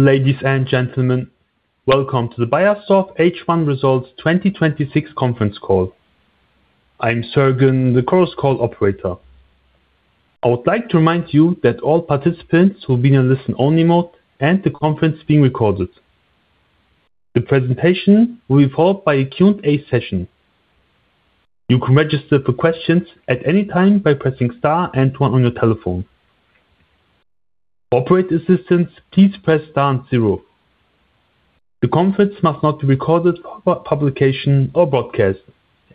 Ladies and gentlemen, welcome to the Beiersdorf H1 Results 2026 conference call. I'm Sergen, the conference call operator. I would like to remind you that all participants will be in a listen-only mode and the conference is being recorded. The presentation will be followed by a Q&A session. You can register for questions at any time by pressing star and one on your telephone. For operator assistance, please press star and zero. The conference must not be recorded for publication or broadcast.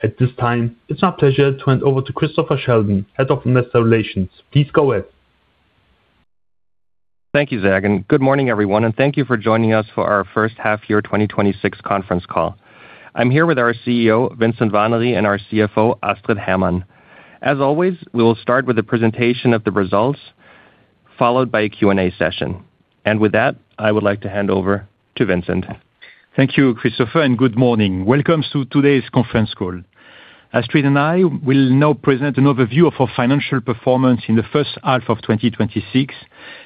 At this time, it's my pleasure to hand over to Christopher Sheldon, Head of Investor Relations. Please go ahead. Thank you, Sergen. Good morning, everyone, and thank you for joining us for our first half year 2026 conference call. I'm here with our Chief Executive Officer, Vincent Warnery, and our Chief Financial Officer, Astrid Hermann. As always, we will start with the presentation of the results, followed by a Q&A session. With that, I would like to hand over to Vincent. Thank you, Christopher, and good morning. Welcome to today's conference call. Astrid and I will now present an overview of our financial performance in the first half of 2026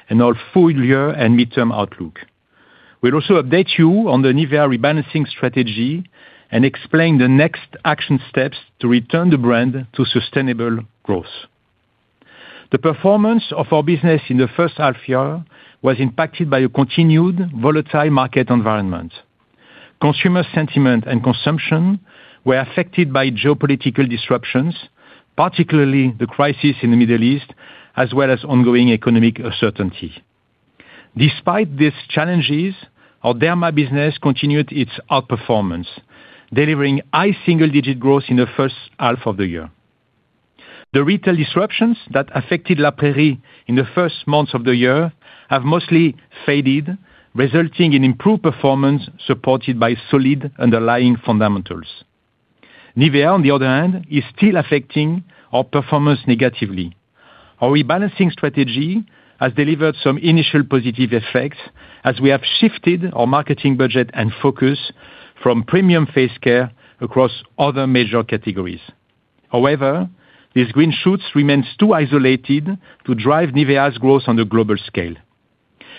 and our full-year and midterm outlook. We'll also update you on the NIVEA rebalancing strategy and explain the next action steps to return the brand to sustainable growth. The performance of our business in the first half year was impacted by a continued volatile market environment. Consumer sentiment and consumption were affected by geopolitical disruptions, particularly the crisis in the Middle East, as well as ongoing economic uncertainty. Despite these challenges, our Derma business continued its outperformance, delivering high single-digit growth in the first half of the year. The retail disruptions that affected La Prairie in the first months of the year have mostly faded, resulting in improved performance supported by solid underlying fundamentals. NIVEA, on the other hand, is still affecting our performance negatively. Our rebalancing strategy has delivered some initial positive effects as we have shifted our marketing budget and focus from premium face care across other major categories. However, these green shoots remain too isolated to drive NIVEA's growth on the global scale.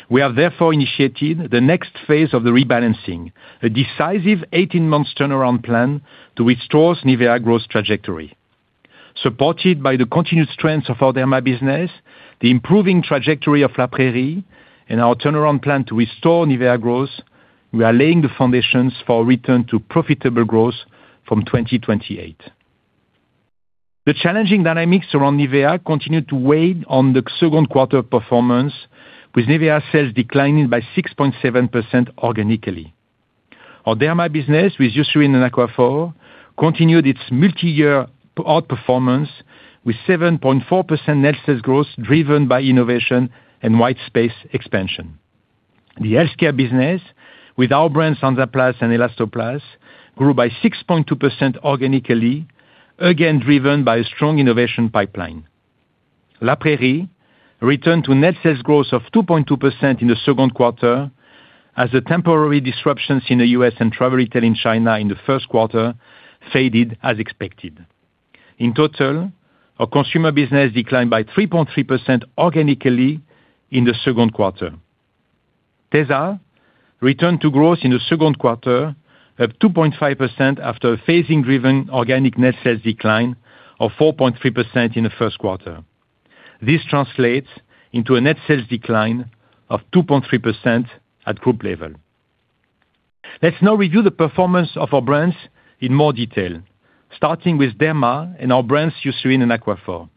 We have therefore initiated the next phase of the rebalancing, a decisive 18-month turnaround plan to restore NIVEA growth trajectory. Supported by the continued strength of our Derma business, the improving trajectory of La Prairie, and our turnaround plan to restore NIVEA growth, we are laying the foundations for a return to profitable growth from 2028. The challenging dynamics around NIVEA continued to weigh on the second quarter performance, with NIVEA sales declining by 6.7% organically. Our Derma business with Eucerin and Aquaphor continued its multi-year outperformance with 7.4% net sales growth, driven by innovation and white space expansion. The healthcare business with our brands, Hansaplast and Elastoplast, grew by 6.2% organically, again, driven by a strong innovation pipeline. La Prairie returned to net sales growth of 2.2% in the second quarter as the temporary disruptions in the U.S. and travel retail in China in the first quarter faded as expected. In total, our consumer business declined by 3.3% organically in the second quarter. tesa returned to growth in the second quarter of 2.5% after a phasing-driven organic net sales decline of 4.3% in the first quarter. This translates into a net sales decline of 2.3% at group level. Let's now review the performance of our brands in more detail, starting with Derma and our brands Eucerin and Aquaphor.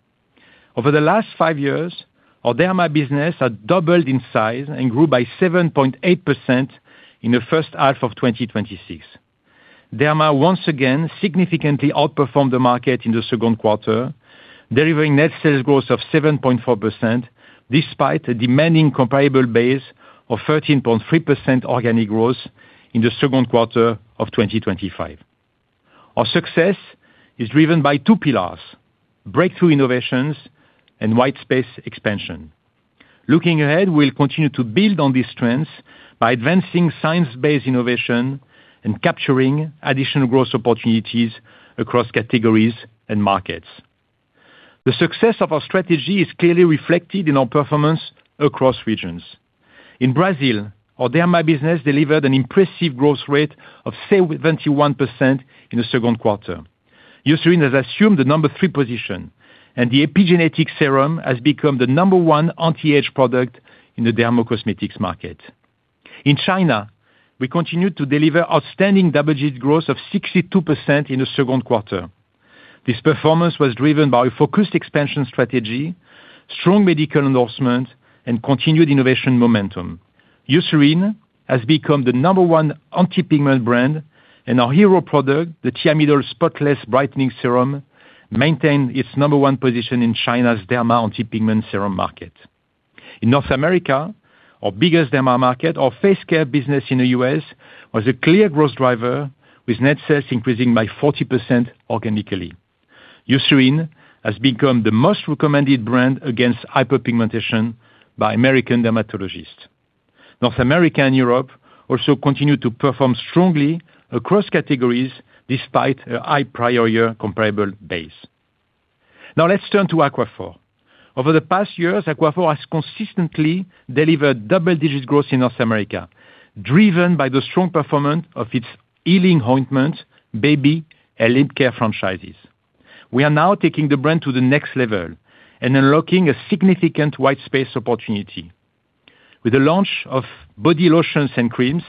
Over the last five years, our Derma business had doubled in size and grew by 7.8% in the first half of 2026. Derma once again significantly outperformed the market in the second quarter, delivering net sales growth of 7.4%, despite a demanding comparable base of 13.3% organic growth in the second quarter of 2025. Our success is driven by two pillars: breakthrough innovations and white space expansion. Looking ahead, we'll continue to build on these strengths by advancing science-based innovation and capturing additional growth opportunities across categories and markets. The success of our strategy is clearly reflected in our performance across regions. In Brazil, our Derma business delivered an impressive growth rate of 71% in the second quarter. Eucerin has assumed the number three position, and the epigenetic serum has become the number one anti-age product in the dermacosmetics market. In China, we continued to deliver outstanding double-digit growth of 62% in the second quarter. This performance was driven by a focused expansion strategy, strong medical endorsement, and continued innovation momentum. Eucerin has become the number one anti-pigment brand, and our hero product, the Thiamidol Spotless Brightening Serum, maintained its number one position in China's Derma anti-pigment serum market. In North America, our biggest Derma market, our face care business in the U.S. was a clear growth driver with net sales increasing by 40% organically. Eucerin has become the most recommended brand against hyperpigmentation by American dermatologists. North America and Europe also continued to perform strongly across categories despite a high prior year comparable base. Now let's turn to Aquaphor. Over the past years, Aquaphor has consistently delivered double-digit growth in North America, driven by the strong performance of its healing ointment, baby, and lip care franchises. We are now taking the brand to the next level and unlocking a significant white space opportunity. With the launch of body lotions and creams,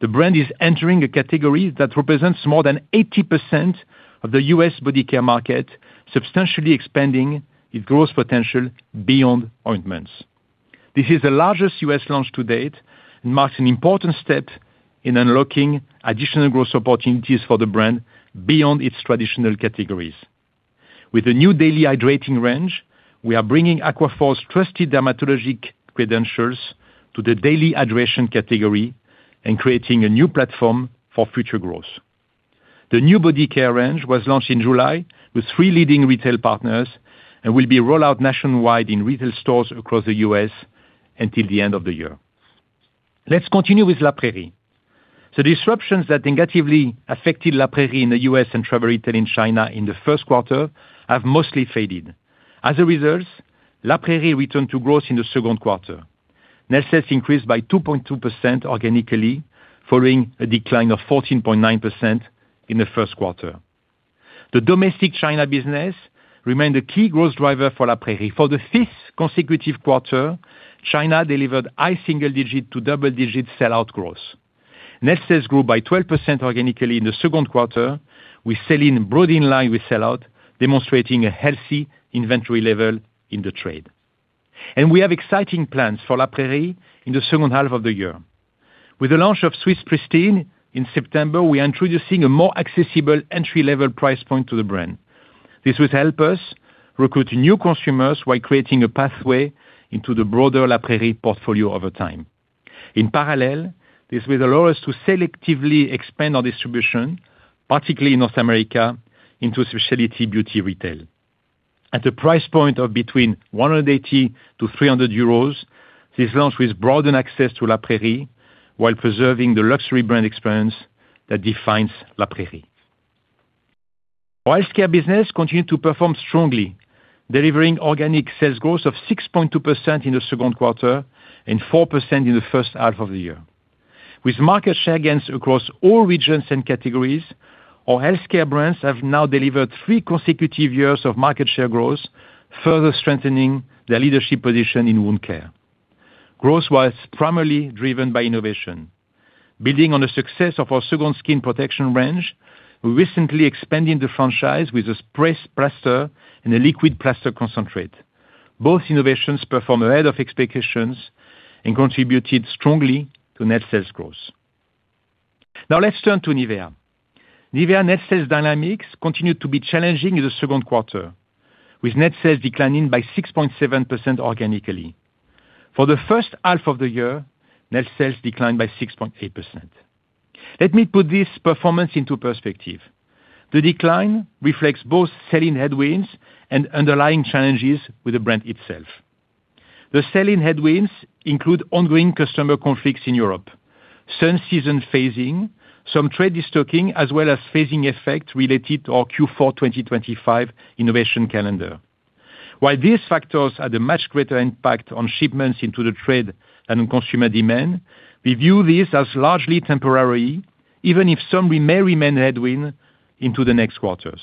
the brand is entering a category that represents more than 80% of the U.S. body care market, substantially expanding its growth potential beyond ointments. This is the largest U.S. launch to date and marks an important step in unlocking additional growth opportunities for the brand beyond its traditional categories. With the new daily hydrating range, we are bringing Aquaphor's trusted dermatologic credentials to the daily hydration category and creating a new platform for future growth. The new body care range was launched in July with three leading retail partners and will be rolled out nationwide in retail stores across the U.S. until the end of the year. Let's continue with La Prairie. The disruptions that negatively affected La Prairie in the U.S. and travel retail in China in the first quarter have mostly faded. As a result, La Prairie returned to growth in the second quarter. Net sales increased by 2.2% organically, following a decline of 14.9% in the first quarter. The domestic China business remained a key growth driver for La Prairie. For the fifth consecutive quarter, China delivered high single digit to double-digit sellout growth. Net sales grew by 12% organically in the second quarter, with sell-in broadly in line with sellout, demonstrating a healthy inventory level in the trade. We have exciting plans for La Prairie in the second half of the year. With the launch of Swiss Pristine in September, we are introducing a more accessible entry-level price point to the brand. This will help us recruit new consumers while creating a pathway into the broader La Prairie portfolio over time. In parallel, this will allow us to selectively expand our distribution, particularly in North America, into specialty beauty retail. At a price point of between 180-300 euros, this launch will broaden access to La Prairie while preserving the luxury brand experience that defines La Prairie. Our Healthcare business continued to perform strongly, delivering organic sales growth of 6.2% in the second quarter and 4% in the first half of the year. With market share gains across all regions and categories, our Healthcare brands have now delivered three consecutive years of market share growth, further strengthening their leadership position in wound care. Growth was primarily driven by innovation. Building on the success of our second skin protection range, we recently expanded the franchise with a spray plaster and a liquid plaster concentrate. Both innovations performed ahead of expectations and contributed strongly to net sales growth. Let's turn to NIVEA. NIVEA net sales dynamics continued to be challenging in the second quarter, with net sales declining by 6.7% organically. For the first half of the year, net sales declined by 6.8%. Let me put this performance into perspective. The decline reflects both sell-in headwinds and underlying challenges with the brand itself. The sell-in headwinds include ongoing customer conflicts in Europe, sun season phasing, some trade destocking, as well as phasing effect related to our Q4 2025 innovation calendar. While these factors had a much greater impact on shipments into the trade than on consumer demand, we view this as largely temporary, even if some may remain headwind into the next quarters.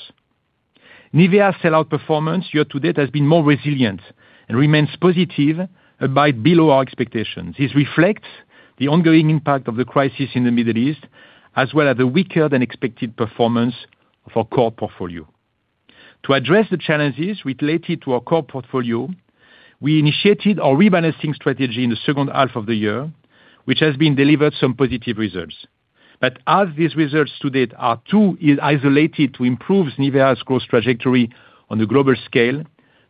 NIVEA sellout performance year to date has been more resilient and remains positive, albeit below our expectations. This reflects the ongoing impact of the crisis in the Middle East, as well as the weaker than expected performance of our core portfolio. To address the challenges related to our core portfolio, we initiated our rebalancing strategy in the second half of the year, which has been delivered some positive results. As these results to date are too isolated to improve NIVEA's growth trajectory on a global scale,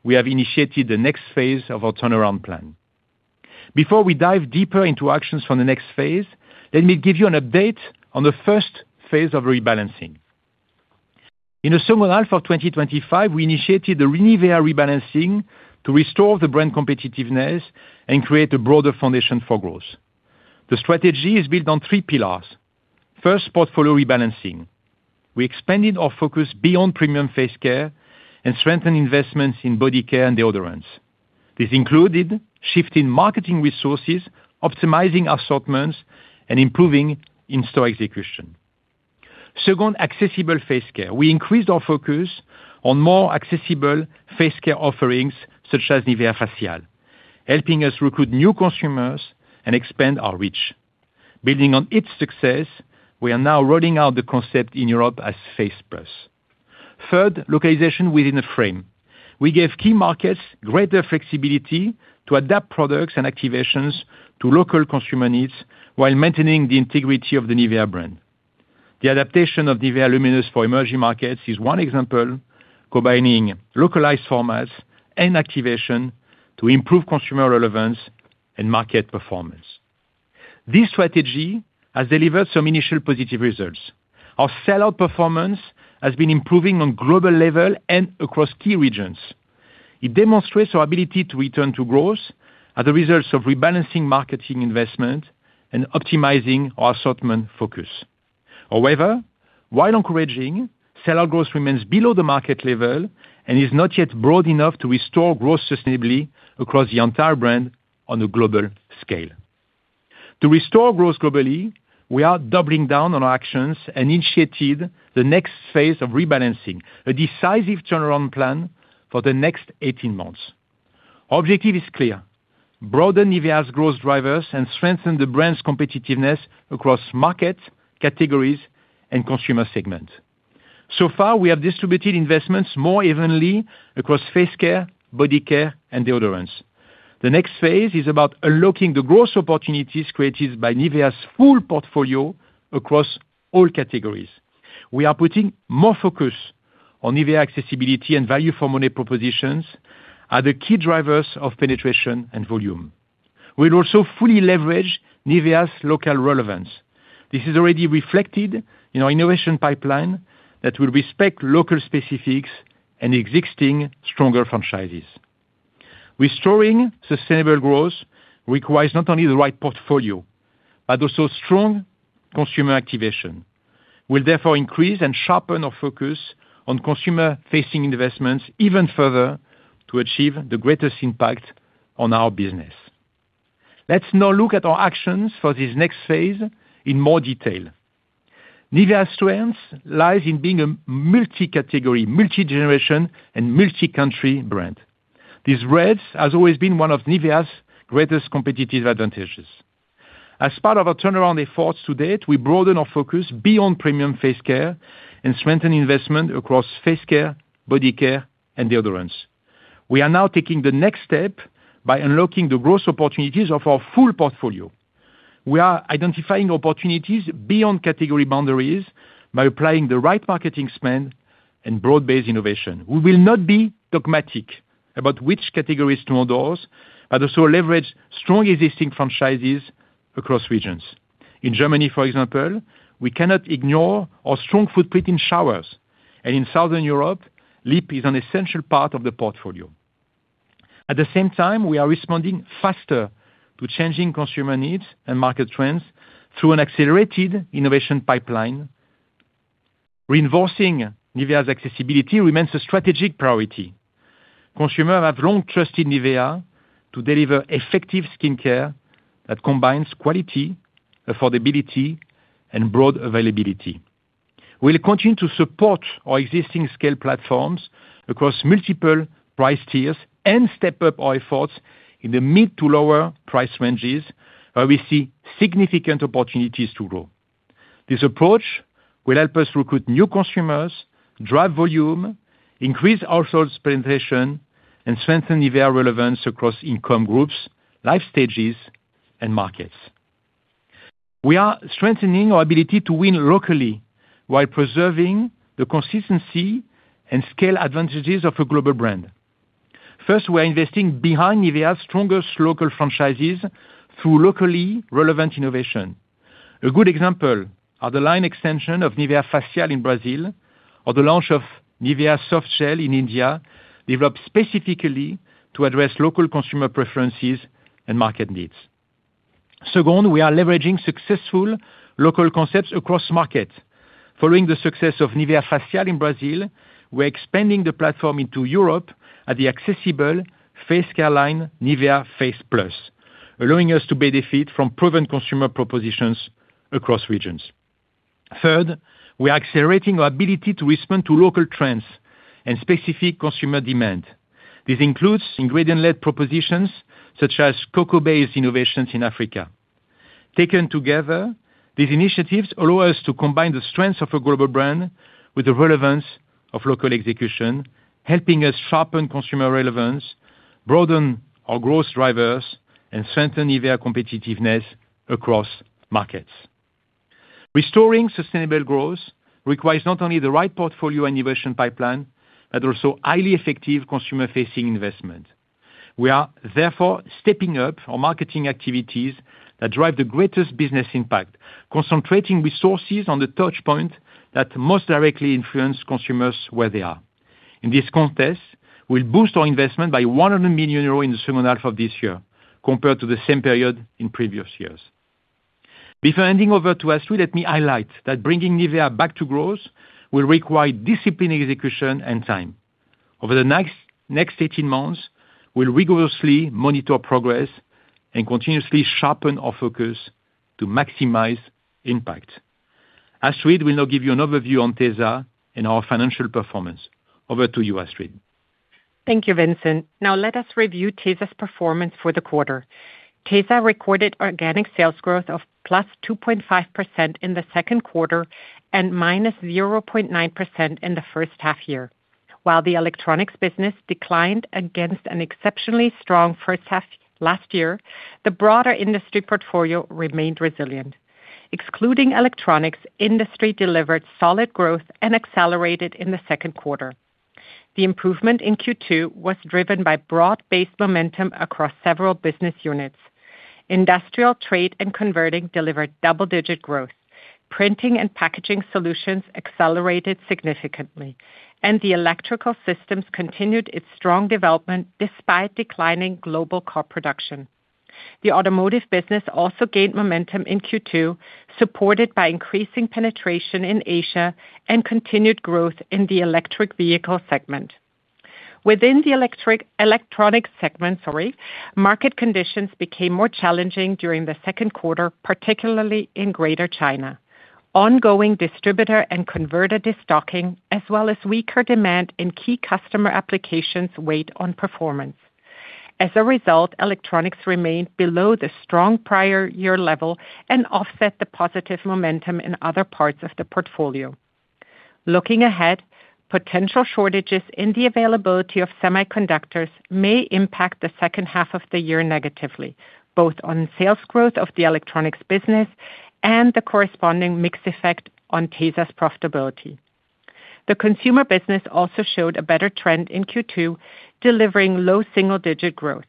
we have initiated the next phase of our turnaround plan. Before we dive deeper into actions for the next phase, let me give you an update on the first phase of rebalancing. In the summer half of 2025, we initiated the NIVEA rebalancing to restore the brand competitiveness and create a broader foundation for growth. The strategy is built on three pillars. First, portfolio rebalancing. We expanded our focus beyond premium face care and strengthened investments in body care and deodorants. This included shifting marketing resources, optimizing assortments, and improving in-store execution. Second, accessible face care. We increased our focus on more accessible face care offerings such as NIVEA Facial, helping us recruit new consumers and expand our reach. Building on its success, we are now rolling out the concept in Europe as Face Plus. Third, localization within a frame. We gave key markets greater flexibility to adapt products and activations to local consumer needs while maintaining the integrity of the NIVEA brand. The adaptation of NIVEA Luminous for emerging markets is one example, combining localized formats and activation to improve consumer relevance and market performance. This strategy has delivered some initial positive results. Our sellout performance has been improving on global level and across key regions. It demonstrates our ability to return to growth as a result of rebalancing marketing investment and optimizing our assortment focus. While encouraging, sellout growth remains below the market level and is not yet broad enough to restore growth sustainably across the entire brand on a global scale. To restore growth globally, we are doubling down on our actions and initiated the next phase of rebalancing, a decisive turnaround plan for the next 18 months. Our objective is clear: broaden NIVEA's growth drivers and strengthen the brand's competitiveness across markets, categories, and consumer segments. So far, we have distributed investments more evenly across face care, body care, and deodorants. The next phase is about unlocking the growth opportunities created by NIVEA's full portfolio across all categories. We are putting more focus on NIVEA accessibility and value for money propositions as the key drivers of penetration and volume. We'll also fully leverage NIVEA's local relevance. This is already reflected in our innovation pipeline that will respect local specifics and existing stronger franchises. Restoring sustainable growth requires not only the right portfolio, but also strong consumer activation. We'll therefore increase and sharpen our focus on consumer-facing investments even further to achieve the greatest impact on our business. Let's now look at our actions for this next phase in more detail. NIVEA's strength lies in being a multi-category, multi-generation, and multi-country brand. This breadth has always been one of NIVEA's greatest competitive advantages. As part of our turnaround efforts to date, we broaden our focus beyond premium face care and strengthen investment across face care, body care, and deodorants. We are now taking the next step by unlocking the growth opportunities of our full portfolio. We are identifying opportunities beyond category boundaries by applying the right marketing spend and broad-based innovation. We will not be dogmatic about which categories to endorse, but also leverage strong existing franchises across regions. In Germany, for example, we cannot ignore our strong footprint in showers. In Southern Europe, lip is an essential part of the portfolio. At the same time, we are responding faster to changing consumer needs and market trends through an accelerated innovation pipeline. Reinforcing NIVEA's accessibility remains a strategic priority. Consumers have long trusted NIVEA to deliver effective skincare that combines quality, affordability, and broad availability. We'll continue to support our existing scale platforms across multiple price tiers and step up our efforts in the mid to lower price ranges, where we see significant opportunities to grow. This approach will help us recruit new consumers, drive volume, increase household penetration, and strengthen NIVEA relevance across income groups, life stages, and markets. We are strengthening our ability to win locally while preserving the consistency and scale advantages of a global brand. First, we are investing behind NIVEA's strongest local franchises through locally relevant innovation. A good example are the line extension of NIVEA Facial in Brazil, or the launch of NIVEA Soft Gel in India, developed specifically to address local consumer preferences and market needs. Second, we are leveraging successful local concepts across markets. Following the success of NIVEA Facial in Brazil, we're expanding the platform into Europe at the accessible face care line, NIVEA Face Plus, allowing us to benefit from proven consumer propositions across regions. Third, we are accelerating our ability to respond to local trends and specific consumer demand. This includes ingredient-led propositions such as cocoa-based innovations in Africa. Taken together, these initiatives allow us to combine the strengths of a global brand with the relevance of local execution, helping us sharpen consumer relevance, broaden our growth drivers, and strengthen NIVEA competitiveness across markets. Restoring sustainable growth requires not only the right portfolio and innovation pipeline, but also highly effective consumer-facing investment. We are therefore stepping up our marketing activities that drive the greatest business impact, concentrating resources on the touchpoint that most directly influence consumers where they are. In this context, we'll boost our investment by 100 million euros in the second half of this year compared to the same period in previous years. Before handing over to Astrid, let me highlight that bringing NIVEA back to growth will require disciplined execution and time. Over the next 18 months, we'll rigorously monitor progress and continuously sharpen our focus to maximize impact. Astrid will now give you an overview on tesa and our financial performance. Over to you, Astrid. Thank you, Vincent. Now let us review tesa's performance for the quarter. tesa recorded organic sales growth of +2.5% in the second quarter and -0.9% in the first half year. While the electronics business declined against an exceptionally strong first half last year, the broader industry portfolio remained resilient. Excluding electronics, industry delivered solid growth and accelerated in the second quarter. The improvement in Q2 was driven by broad-based momentum across several business units. Industrial, trade, and converting delivered double-digit growth. Printing and packaging solutions accelerated significantly, and the electrical systems continued its strong development despite declining global car production. The automotive business also gained momentum in Q2, supported by increasing penetration in Asia and continued growth in the electric vehicle segment. Within the electronics segment, market conditions became more challenging during the second quarter, particularly in Greater China. Ongoing distributor and converter destocking, as well as weaker demand in key customer applications weighed on performance. As a result, electronics remained below the strong prior year level and offset the positive momentum in other parts of the portfolio. Looking ahead, potential shortages in the availability of semiconductors may impact the second half of the year negatively, both on sales growth of the electronics business and the corresponding mix effect on tesa's profitability. The consumer business also showed a better trend in Q2, delivering low single-digit growth.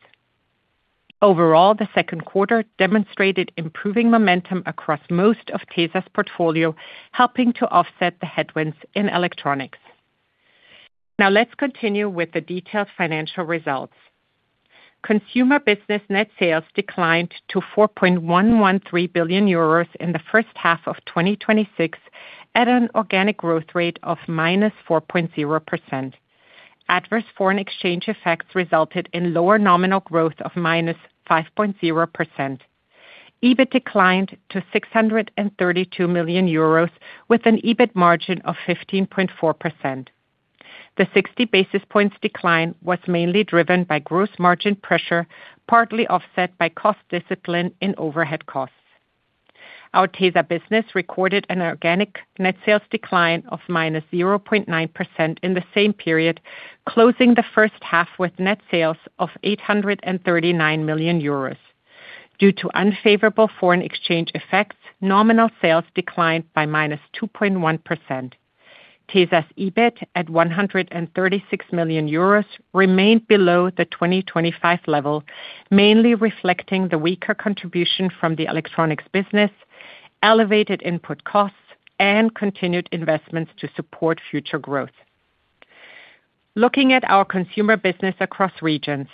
Overall, the second quarter demonstrated improving momentum across most of tesa's portfolio, helping to offset the headwinds in electronics. Now let's continue with the detailed financial results. Consumer business net sales declined to 4.113 billion euros in the first half of 2026 at an organic growth rate of -4.0%. Adverse foreign exchange effects resulted in lower nominal growth of -5.0%. EBIT declined to 632 million euros with an EBIT margin of 15.4%. The 60 basis points decline was mainly driven by gross margin pressure, partly offset by cost discipline in overhead costs. Our tesa's business recorded an organic net sales decline of -0.9% in the same period, closing the first half with net sales of 839 million euros. Due to unfavorable foreign exchange effects, nominal sales declined by -2.1%. tesa's EBIT at 136 million euros remained below the 2025 level, mainly reflecting the weaker contribution from the electronics business, elevated input costs, and continued investments to support future growth. Looking at our consumer business across regions,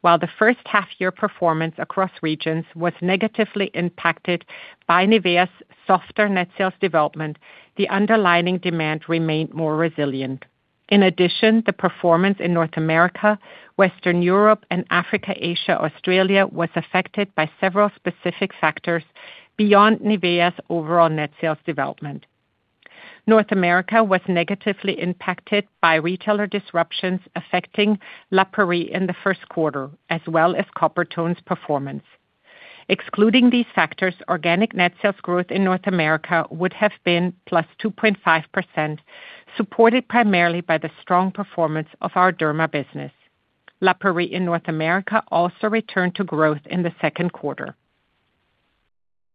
while the first half year performance across regions was negatively impacted by NIVEA's softer net sales development, the underlying demand remained more resilient. In addition, the performance in North America, Western Europe, and Africa, Asia, Australia was affected by several specific factors beyond NIVEA's overall net sales development. North America was negatively impacted by retailer disruptions affecting La Prairie in the first quarter, as well as Coppertone's performance. Excluding these factors, organic net sales growth in North America would have been +2.5%, supported primarily by the strong performance of our Derma business. La Prairie in North America also returned to growth in the second quarter.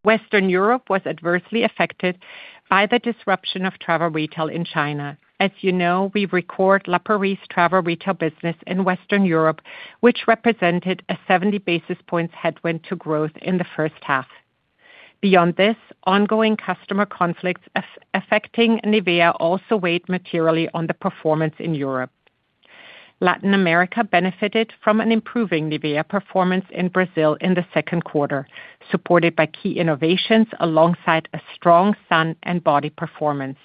Western Europe was adversely affected by the disruption of travel retail in China. As you know, we record La Prairie's travel retail business in Western Europe, which represented a 70 basis points headwind to growth in the first half. Beyond this, ongoing customer conflicts affecting NIVEA also weighed materially on the performance in Europe. Latin America benefited from an improving NIVEA performance in Brazil in the second quarter, supported by key innovations alongside a strong sun and body performance.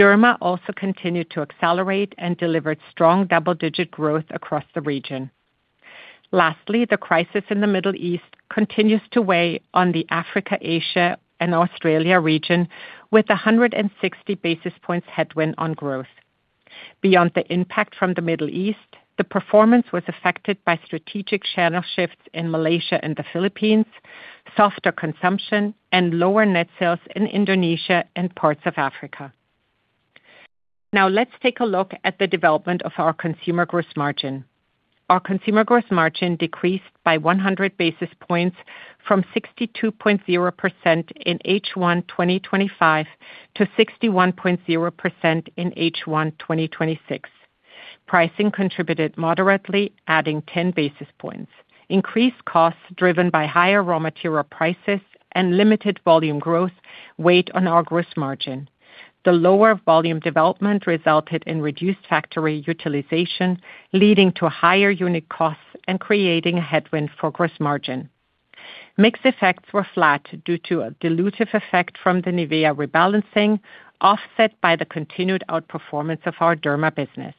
Derma also continued to accelerate and delivered strong double-digit growth across the region. Lastly, the crisis in the Middle East continues to weigh on the Africa, Asia, and Australia region with 160 basis points headwind on growth. Beyond the impact from the Middle East, the performance was affected by strategic channel shifts in Malaysia and the Philippines, softer consumption, and lower net sales in Indonesia and parts of Africa. Now let's take a look at the development of our consumer gross margin. Our consumer gross margin decreased by 100 basis points from 62.0% in H1 2025-61.0% in H1 2026. Pricing contributed moderately, adding 10 basis points. Increased costs driven by higher raw material prices and limited volume growth weighed on our gross margin. The lower volume development resulted in reduced factory utilization, leading to higher unit costs and creating a headwind for gross margin. Mix effects were flat due to a dilutive effect from the NIVEA rebalancing, offset by the continued outperformance of our Derma business.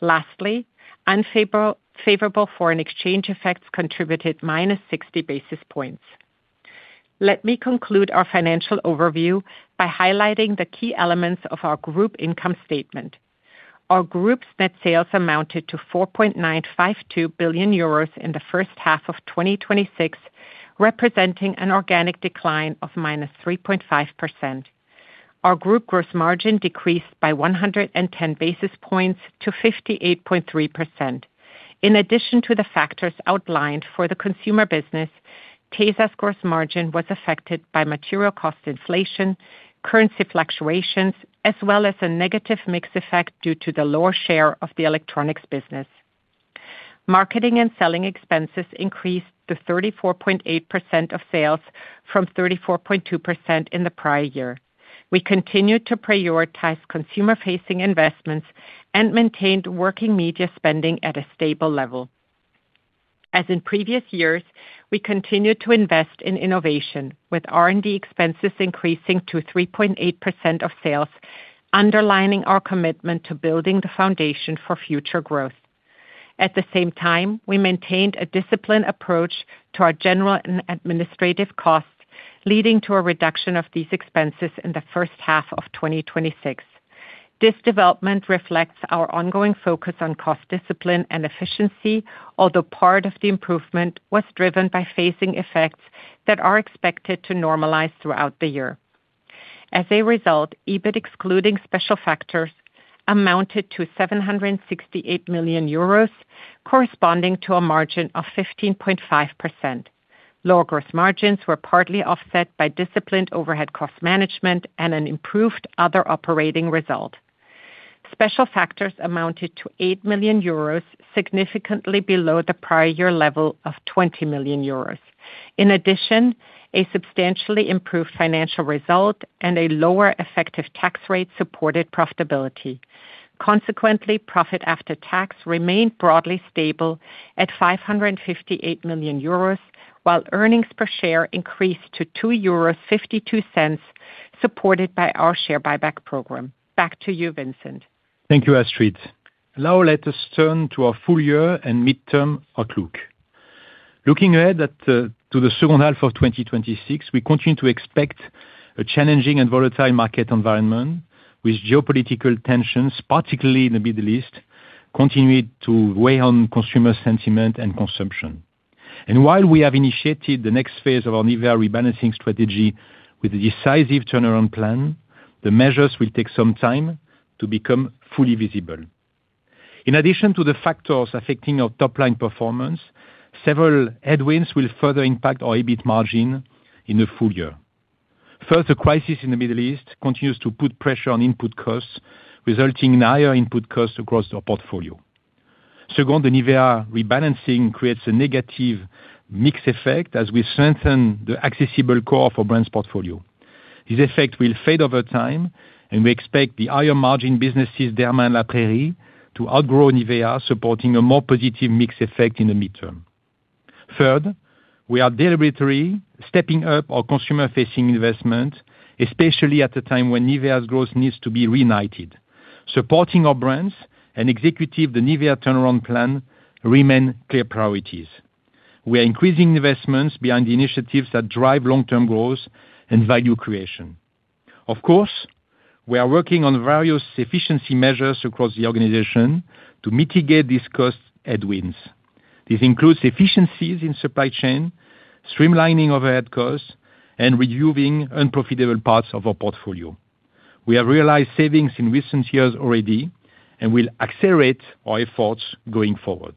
Lastly, unfavorable foreign exchange effects contributed -60 basis points. Let me conclude our financial overview by highlighting the key elements of our group income statement. Our group's net sales amounted to 4.952 billion euros in the first half of 2026, representing an organic decline of -3.5%. Our group gross margin decreased by 110 basis points to 58.3%. In addition to the factors outlined for the consumer business, tesa's gross margin was affected by material cost inflation, currency fluctuations, as well as a negative mix effect due to the lower share of the electronics business. Marketing and selling expenses increased to 34.8% of sales from 34.2% in the prior year. We continued to prioritize consumer-facing investments and maintained working media spending at a stable level. As in previous years, we continued to invest in innovation, with R&D expenses increasing to 3.8% of sales, underlining our commitment to building the foundation for future growth. At the same time, we maintained a disciplined approach to our general and administrative costs, leading to a reduction of these expenses in the first half of 2026. This development reflects our ongoing focus on cost discipline and efficiency, although part of the improvement was driven by phasing effects that are expected to normalize throughout the year. As a result, EBIT excluding special factors amounted to 768 million euros, corresponding to a margin of 15.5%. Lower growth margins were partly offset by disciplined overhead cost management and an improved other operating result. Special factors amounted to 8 million euros, significantly below the prior year level of 20 million euros. In addition, a substantially improved financial result and a lower effective tax rate supported profitability. Consequently, profit after tax remained broadly stable at 558 million euros, while earnings per share increased to 2.52 euros, supported by our share buyback program. Back to you, Vincent. Thank you, Astrid. Now let us turn to our full year and midterm outlook. Looking ahead to the second half of 2026, we continue to expect a challenging and volatile market environment with geopolitical tensions, particularly in the Middle East, continued to weigh on consumer sentiment and consumption. While we have initiated the next phase of our NIVEA rebalancing strategy with a decisive turnaround plan, the measures will take some time to become fully visible. In addition to the factors affecting our top-line performance, several headwinds will further impact our EBIT margin in the full year. First, the crisis in the Middle East continues to put pressure on input costs, resulting in higher input costs across our portfolio. Second, the NIVEA rebalancing creates a negative mix effect as we strengthen the accessible core for brands portfolio. This effect will fade over time, and we expect the higher margin businesses, Derma and La Prairie, to outgrow NIVEA, supporting a more positive mix effect in the midterm. Third, we are deliberately stepping up our consumer-facing investment, especially at the time when NIVEA's growth needs to be reignited. Supporting our brands and executive the NIVEA turnaround plan remain clear priorities. We are increasing investments behind the initiatives that drive long-term growth and value creation. Of course, we are working on various efficiency measures across the organization to mitigate these cost headwinds. This includes efficiencies in supply chain, streamlining overhead costs, and reviewing unprofitable parts of our portfolio. We have realized savings in recent years already and will accelerate our efforts going forward.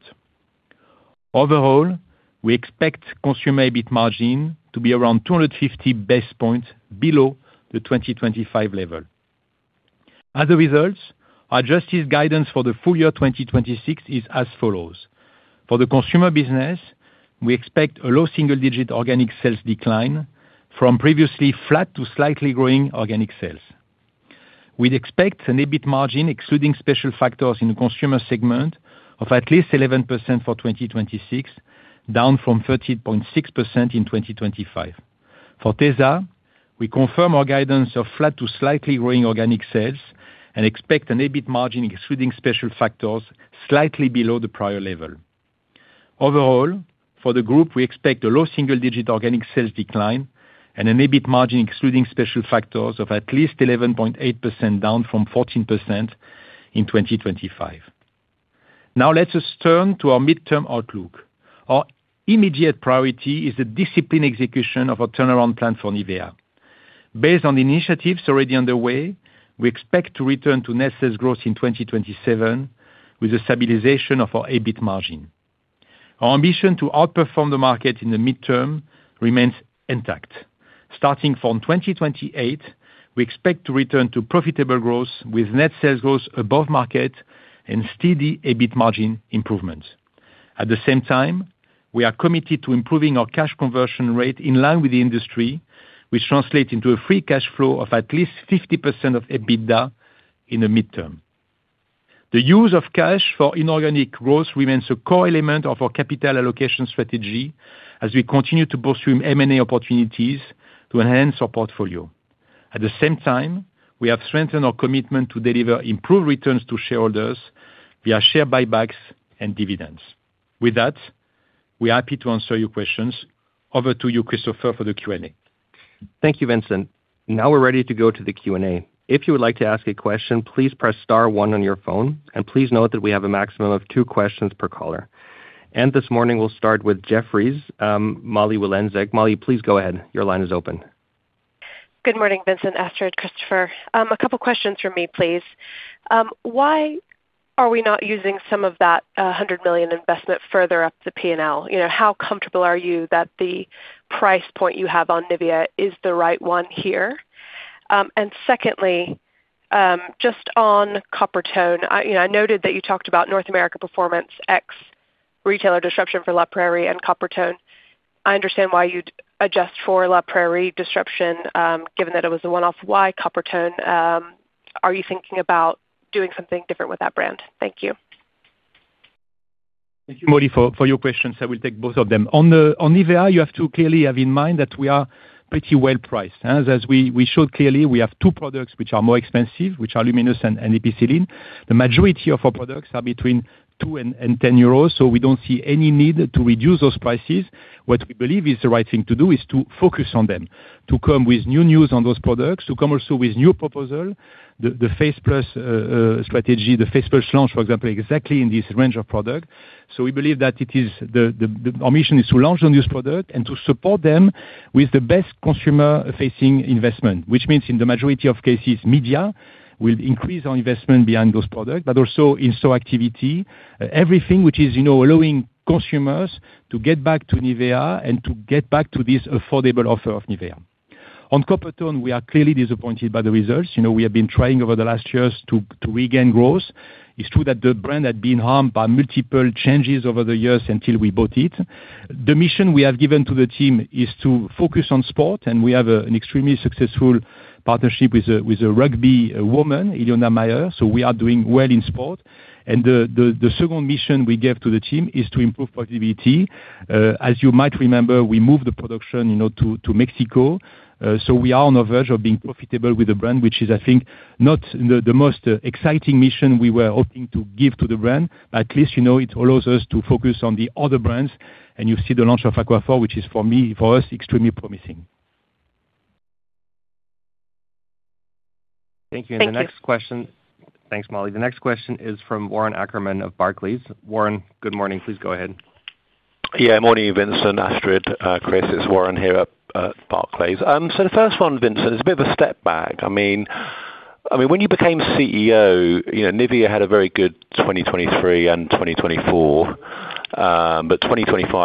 Overall, we expect consumer EBIT margin to be around 250 basis points below the 2025 level. As a result, our adjusted guidance for the full year 2026 is as follows. For the consumer business, we expect a low single-digit organic sales decline from previously flat to slightly growing organic sales. We'd expect an EBIT margin excluding special factors in the consumer segment of at least 11% for 2026, down from 13.6% in 2025. For tesa, we confirm our guidance of flat to slightly growing organic sales and expect an EBIT margin excluding special factors slightly below the prior level. Overall, for the group, we expect a low single-digit organic sales decline and an EBIT margin excluding special factors of at least 11.8%, down from 14% in 2025. Let us turn to our midterm outlook. Our immediate priority is the disciplined execution of our turnaround plan for NIVEA. Based on the initiatives already underway, we expect to return to net sales growth in 2027 with the stabilization of our EBIT margin. Our ambition to outperform the market in the midterm remains intact. Starting from 2028, we expect to return to profitable growth with net sales growth above market and steady EBIT margin improvements. At the same time, we are committed to improving our cash conversion rate in line with the industry, which translates into a free cash flow of at least 50% of EBITDA in the midterm. The use of cash for inorganic growth remains a core element of our capital allocation strategy as we continue to pursue M&A opportunities to enhance our portfolio. At the same time, we have strengthened our commitment to deliver improved returns to shareholders via share buybacks and dividends. With that, we are happy to answer your questions. Over to you, Christopher, for the Q&A. Thank you, Vincent. Now we're ready to go to the Q&A. If you would like to ask a question, please press star one on your phone and please note that we have a maximum of two questions per caller. This morning we'll start with Jefferies, Molly Wylenzek. Molly, please go ahead. Your line is open. Good morning, Vincent, Astrid, Christopher. A couple questions from me, please. Why are we not using some of that 100 million investment further up the P&L? How comfortable are you that the price point you have on NIVEA is the right one here? and secondly just on Coppertone, I noted that you talked about North America performance, ex retailer disruption for La Prairie and Coppertone. I understand why you'd adjust for La Prairie disruption, given that it was a one-off. Why Coppertone? Are you thinking about doing something different with that brand? Thank you. Thank you, Molly, for your questions. I will take both of them. On NIVEA, you have to clearly have in mind that we are pretty well priced. As we showed clearly, we have two products which are more expensive, which are Luminous and Epicelline. The majority of our products are between 2 and 10 euros. We don't see any need to reduce those prices. What we believe is the right thing to do is to focus on them, to come with new news on those products, to come also with new proposal, the Face Plus strategy, the Face Plus launch, for example, exactly in this range of product. We believe that our mission is to launch on this product and to support them with the best consumer-facing investment. Which means in the majority of cases, media will increase our investment behind those product, but also in store activity. Everything which is allowing consumers to get back to NIVEA and to get back to this affordable offer of NIVEA. On Coppertone, we are clearly disappointed by the results. We have been trying over the last years to regain growth. It's true that the brand had been harmed by multiple changes over the years until we bought it. The mission we have given to the team is to focus on sport, and we have an extremely successful partnership with a rugby woman, Ilona Maher, so we are doing well in sport. The second mission we gave to the team is to improve productivity. As you might remember, we moved the production to Mexico. We are on the verge of being profitable with the brand, which is, I think, not the most exciting mission we were hoping to give to the brand. At least it allows us to focus on the other brands, and you see the launch of Aquaphor, which is for us, extremely promising. Thank you. The next question. Thanks, Molly. The next question is from Warren Ackerman of Barclays. Warren, good morning. Please go ahead. Good morning Vincent, Astrid, Chris, it's Warren here at Barclays. The first one, Vincent, it's a bit of a step back. When you became CEO, NIVEA had a very good 2023 and 2024. 2025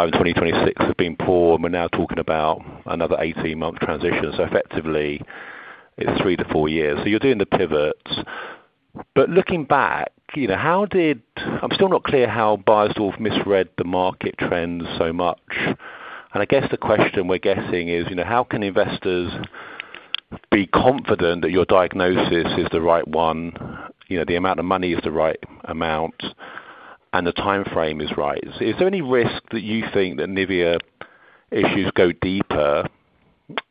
and 2026 have been poor, we're now talking about another 18-month transition. Effectively, it's three to four years. You're doing the pivot. Looking back, I'm still not clear how Beiersdorf misread the market trends so much. I guess the question we're getting is, how can investors be confident that your diagnosis is the right one? The amount of money is the right amount, and the timeframe is right. Is there any risk that you think that NIVEA issues go deeper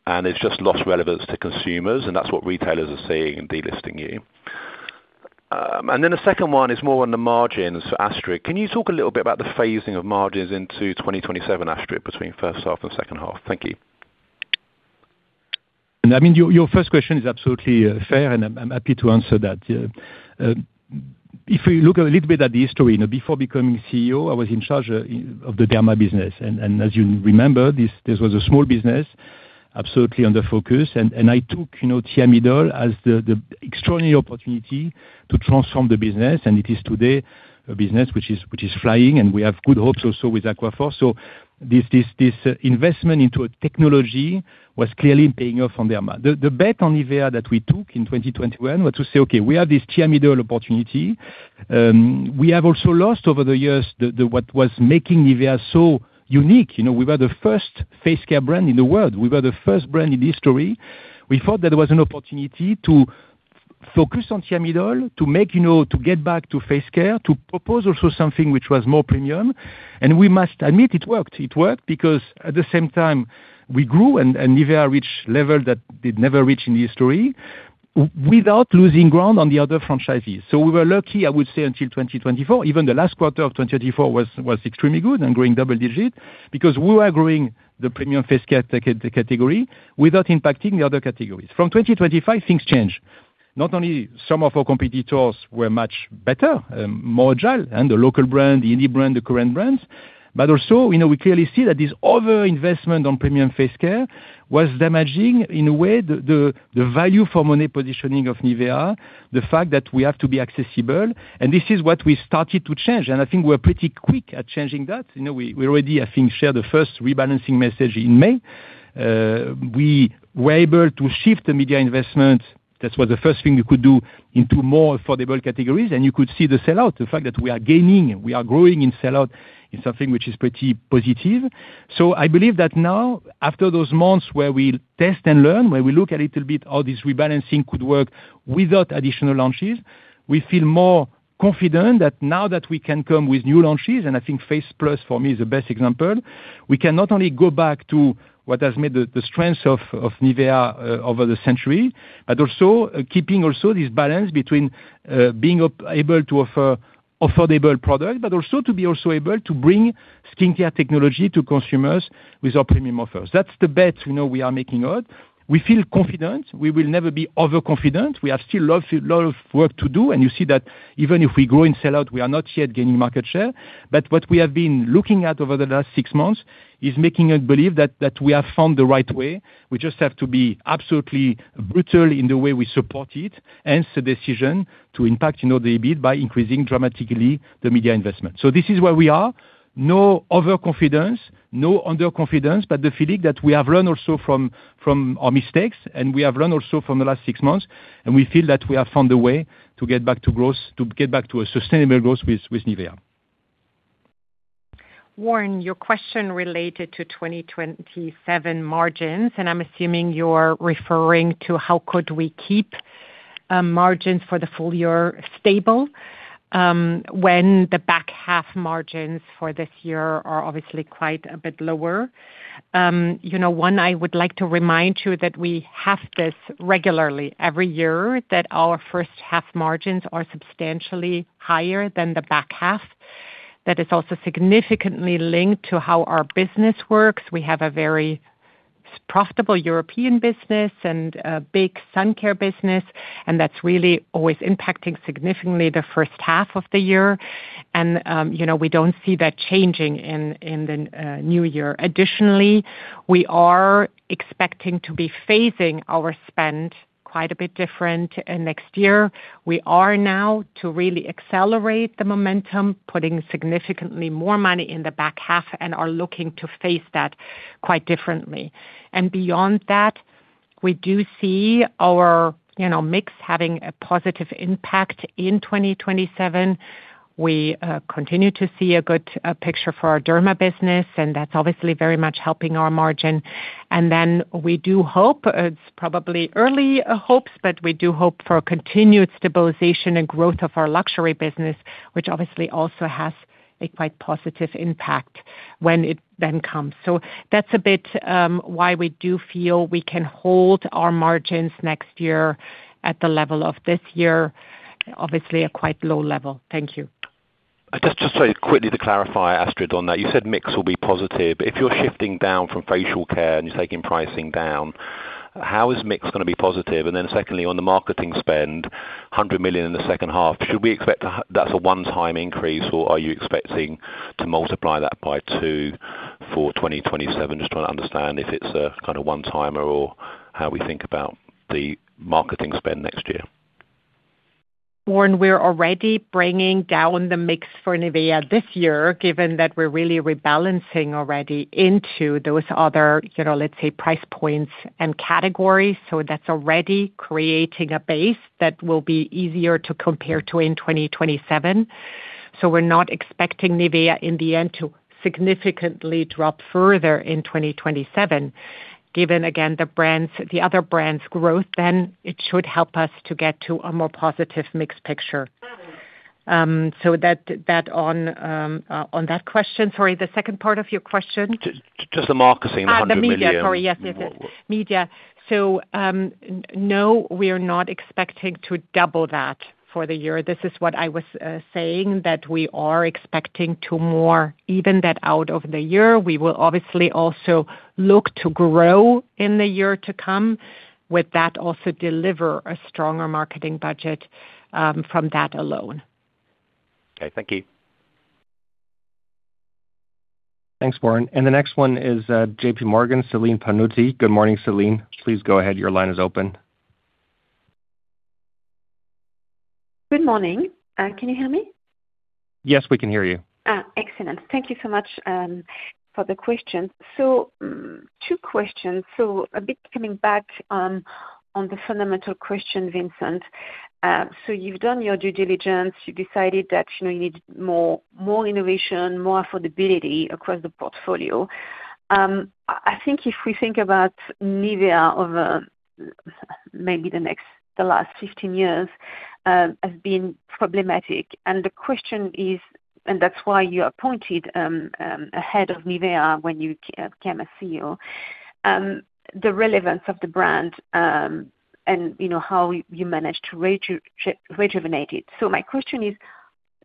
and it's just lost relevance to consumers, and that's what retailers are seeing in delisting you? The second one is more on the margins for Astrid. Can you talk a little bit about the phasing of margins into 2027, Astrid, between first half and second half? Thank you. Your first question is absolutely fair. I'm happy to answer that. If we look a little bit at the history, before becoming CEO, I was in charge of the Derma business. As you remember, this was a small business, absolutely under focus. I took Thiamidol as the extraordinary opportunity to transform the business, and it is today a business which is flying, and we have good hopes also with Aquaphor. This investment into a technology was clearly paying off on Derma. The bet on NIVEA that we took in 2021 was to say, okay, we have this Thiamidol opportunity. We have also lost over the years what was making NIVEA so unique. We were the first face care brand in the world. We were the first brand in history. We thought that there was an opportunity to focus on Thiamidol, to get back to face care, to propose also something which was more premium. We must admit, it worked. It worked because at the same time, we grew and NIVEA reached level that did never reach in the history without losing ground on the other franchises. We were lucky, I would say, until 2024. Even the last quarter of 2024 was extremely good and growing double digit because we were growing the premium face care category without impacting the other categories. From 2025, things change. Not only some of our competitors were much better, more agile, the local brand, the indie brand, the Korean brands. We clearly see that this other investment on premium face care was damaging, in a way, the value for money positioning of NIVEA, the fact that we have to be accessible, and this is what we started to change. I think we're pretty quick at changing that. We already, I think, shared the first rebalancing message in May. We were able to shift the media investment. That was the first thing we could do into more affordable categories, you could see the sellout, the fact that we are gaining, we are growing in sellout is something which is pretty positive. I believe that now, after those months where we test and learn, where we look a little bit how this rebalancing could work without additional launches, we feel more confident that now that we can come with new launches, I think Face Plus for me is the best example. We can not only go back to what has made the strength of NIVEA over the century, also keeping also this balance between being able to offer affordable product, also to be also able to bring skincare technology to consumers with our premium offers. That's the bet we are making out. We feel confident. We will never be overconfident. We have still a lot of work to do, you see that even if we grow in sellout, we are not yet gaining market share. What we have been looking at over the last six months is making us believe that we have found the right way. We just have to be absolutely brutal in the way we support it, hence the decision to impact the EBIT by increasing dramatically the media investment. This is where we are. No overconfidence, no underconfidence, the feeling that we have learned also from our mistakes, we have learned also from the last six months, we feel that we have found a way to get back to a sustainable growth with NIVEA. Warren, your question related to 2027 margins, I'm assuming you're referring to how could we keep margins for the full year stable when the back half margins for this year are obviously quite a bit lower. One, I would like to remind you that we have this regularly every year, that our first half margins are substantially higher than the back half. That is also significantly linked to how our business works. We have a very profitable European business a big sun care business, that's really always impacting significantly the first half of the year. We don't see that changing in the new year. Additionally, we are expecting to be phasing our spend quite a bit different next year. We are now to really accelerate the momentum, putting significantly more money in the back half are looking to face that quite differently. Beyond that, we do see our mix having a positive impact in 2027. We continue to see a good picture for our Derma business, and that's obviously very much helping our margin. Then we do hope, it's probably early hopes, but we do hope for a continued stabilization and growth of our luxury business, which obviously also has a quite positive impact when it then comes. So that's a bit why we do feel we can hold our margins next year at the level of this year, obviously a quite low level. Thank you. Just quickly to clarify, Astrid, on that, you said mix will be positive. If you're shifting down from facial care and you're taking pricing down, how is mix going to be positive? Secondly, on the marketing spend, 100 million in the second half, should we expect that's a one-time increase, or are you expecting to multiply that by two for 2027? Just trying to understand if it's a kind of one-timer or how we think about the marketing spend next year. Warren, we're already bringing down the mix for NIVEA this year, given that we're really rebalancing already into those other, let's say, price points and categories. So that's already creating a base that will be easier to compare to in 2027. So we're not expecting NIVEA, in the end, to significantly drop further in 2027, given, again, the other brands' growth, then it should help us to get to a more positive mix picture. So that on that question. Sorry, the second part of your question? Just the marketing, the EUR 100 million. No, we are not expecting to double that for the year. This is what I was saying, that we are expecting to more even that out over the year. We will obviously also look to grow in the year to come. With that, also deliver a stronger marketing budget, from that alone. Okay, thank you. Thanks, Warren. The next one is JPMorgan, Celine Pannuti. Good morning, Celine. Please go ahead. Your line is open. Good morning. Can you hear me? Yes, we can hear you. Excellent. Thank you so much for the question. Two questions. A bit coming back on the fundamental question, Vincent. You've done your due diligence. You decided that you need more innovation, more affordability across the portfolio. I think if we think about NIVEA over maybe the last 15 years, has been problematic. The question is, that's why you are appointed ahead of NIVEA when you became a CEO, the relevance of the brand, and how you managed to rejuvenate it. My question is,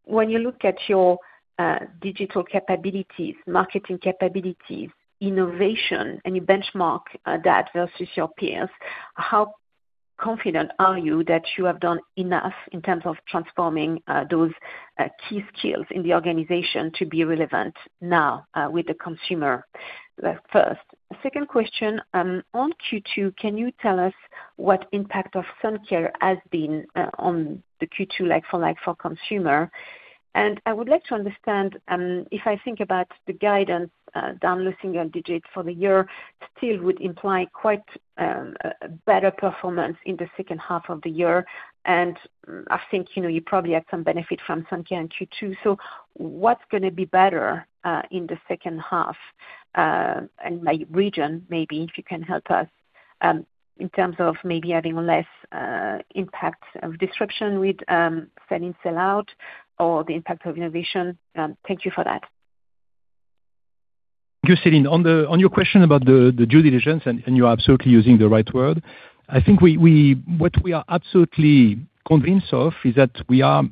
when you look at your digital capabilities, marketing capabilities, innovation, and you benchmark that versus your peers, how confident are you that you have done enough in terms of transforming those key skills in the organization to be relevant now, with the consumer first? Second question, on Q2, can you tell us what impact of sun care has been on the Q2 like for like for consumer? I would like to understand, if I think about the guidance, down low single-digit for the year still would imply quite a better performance in the second half of the year. I think you probably had some benefit from sun care in Q2. What's going to be better in the second half? By region, maybe if you can help us, in terms of maybe having less impact of disruption with sell-in, sell-out or the impact of innovation. Thank you for that. Thank you, Celine. On your question about the due diligence, you're absolutely using the right word. I think what we are absolutely convinced of is that we are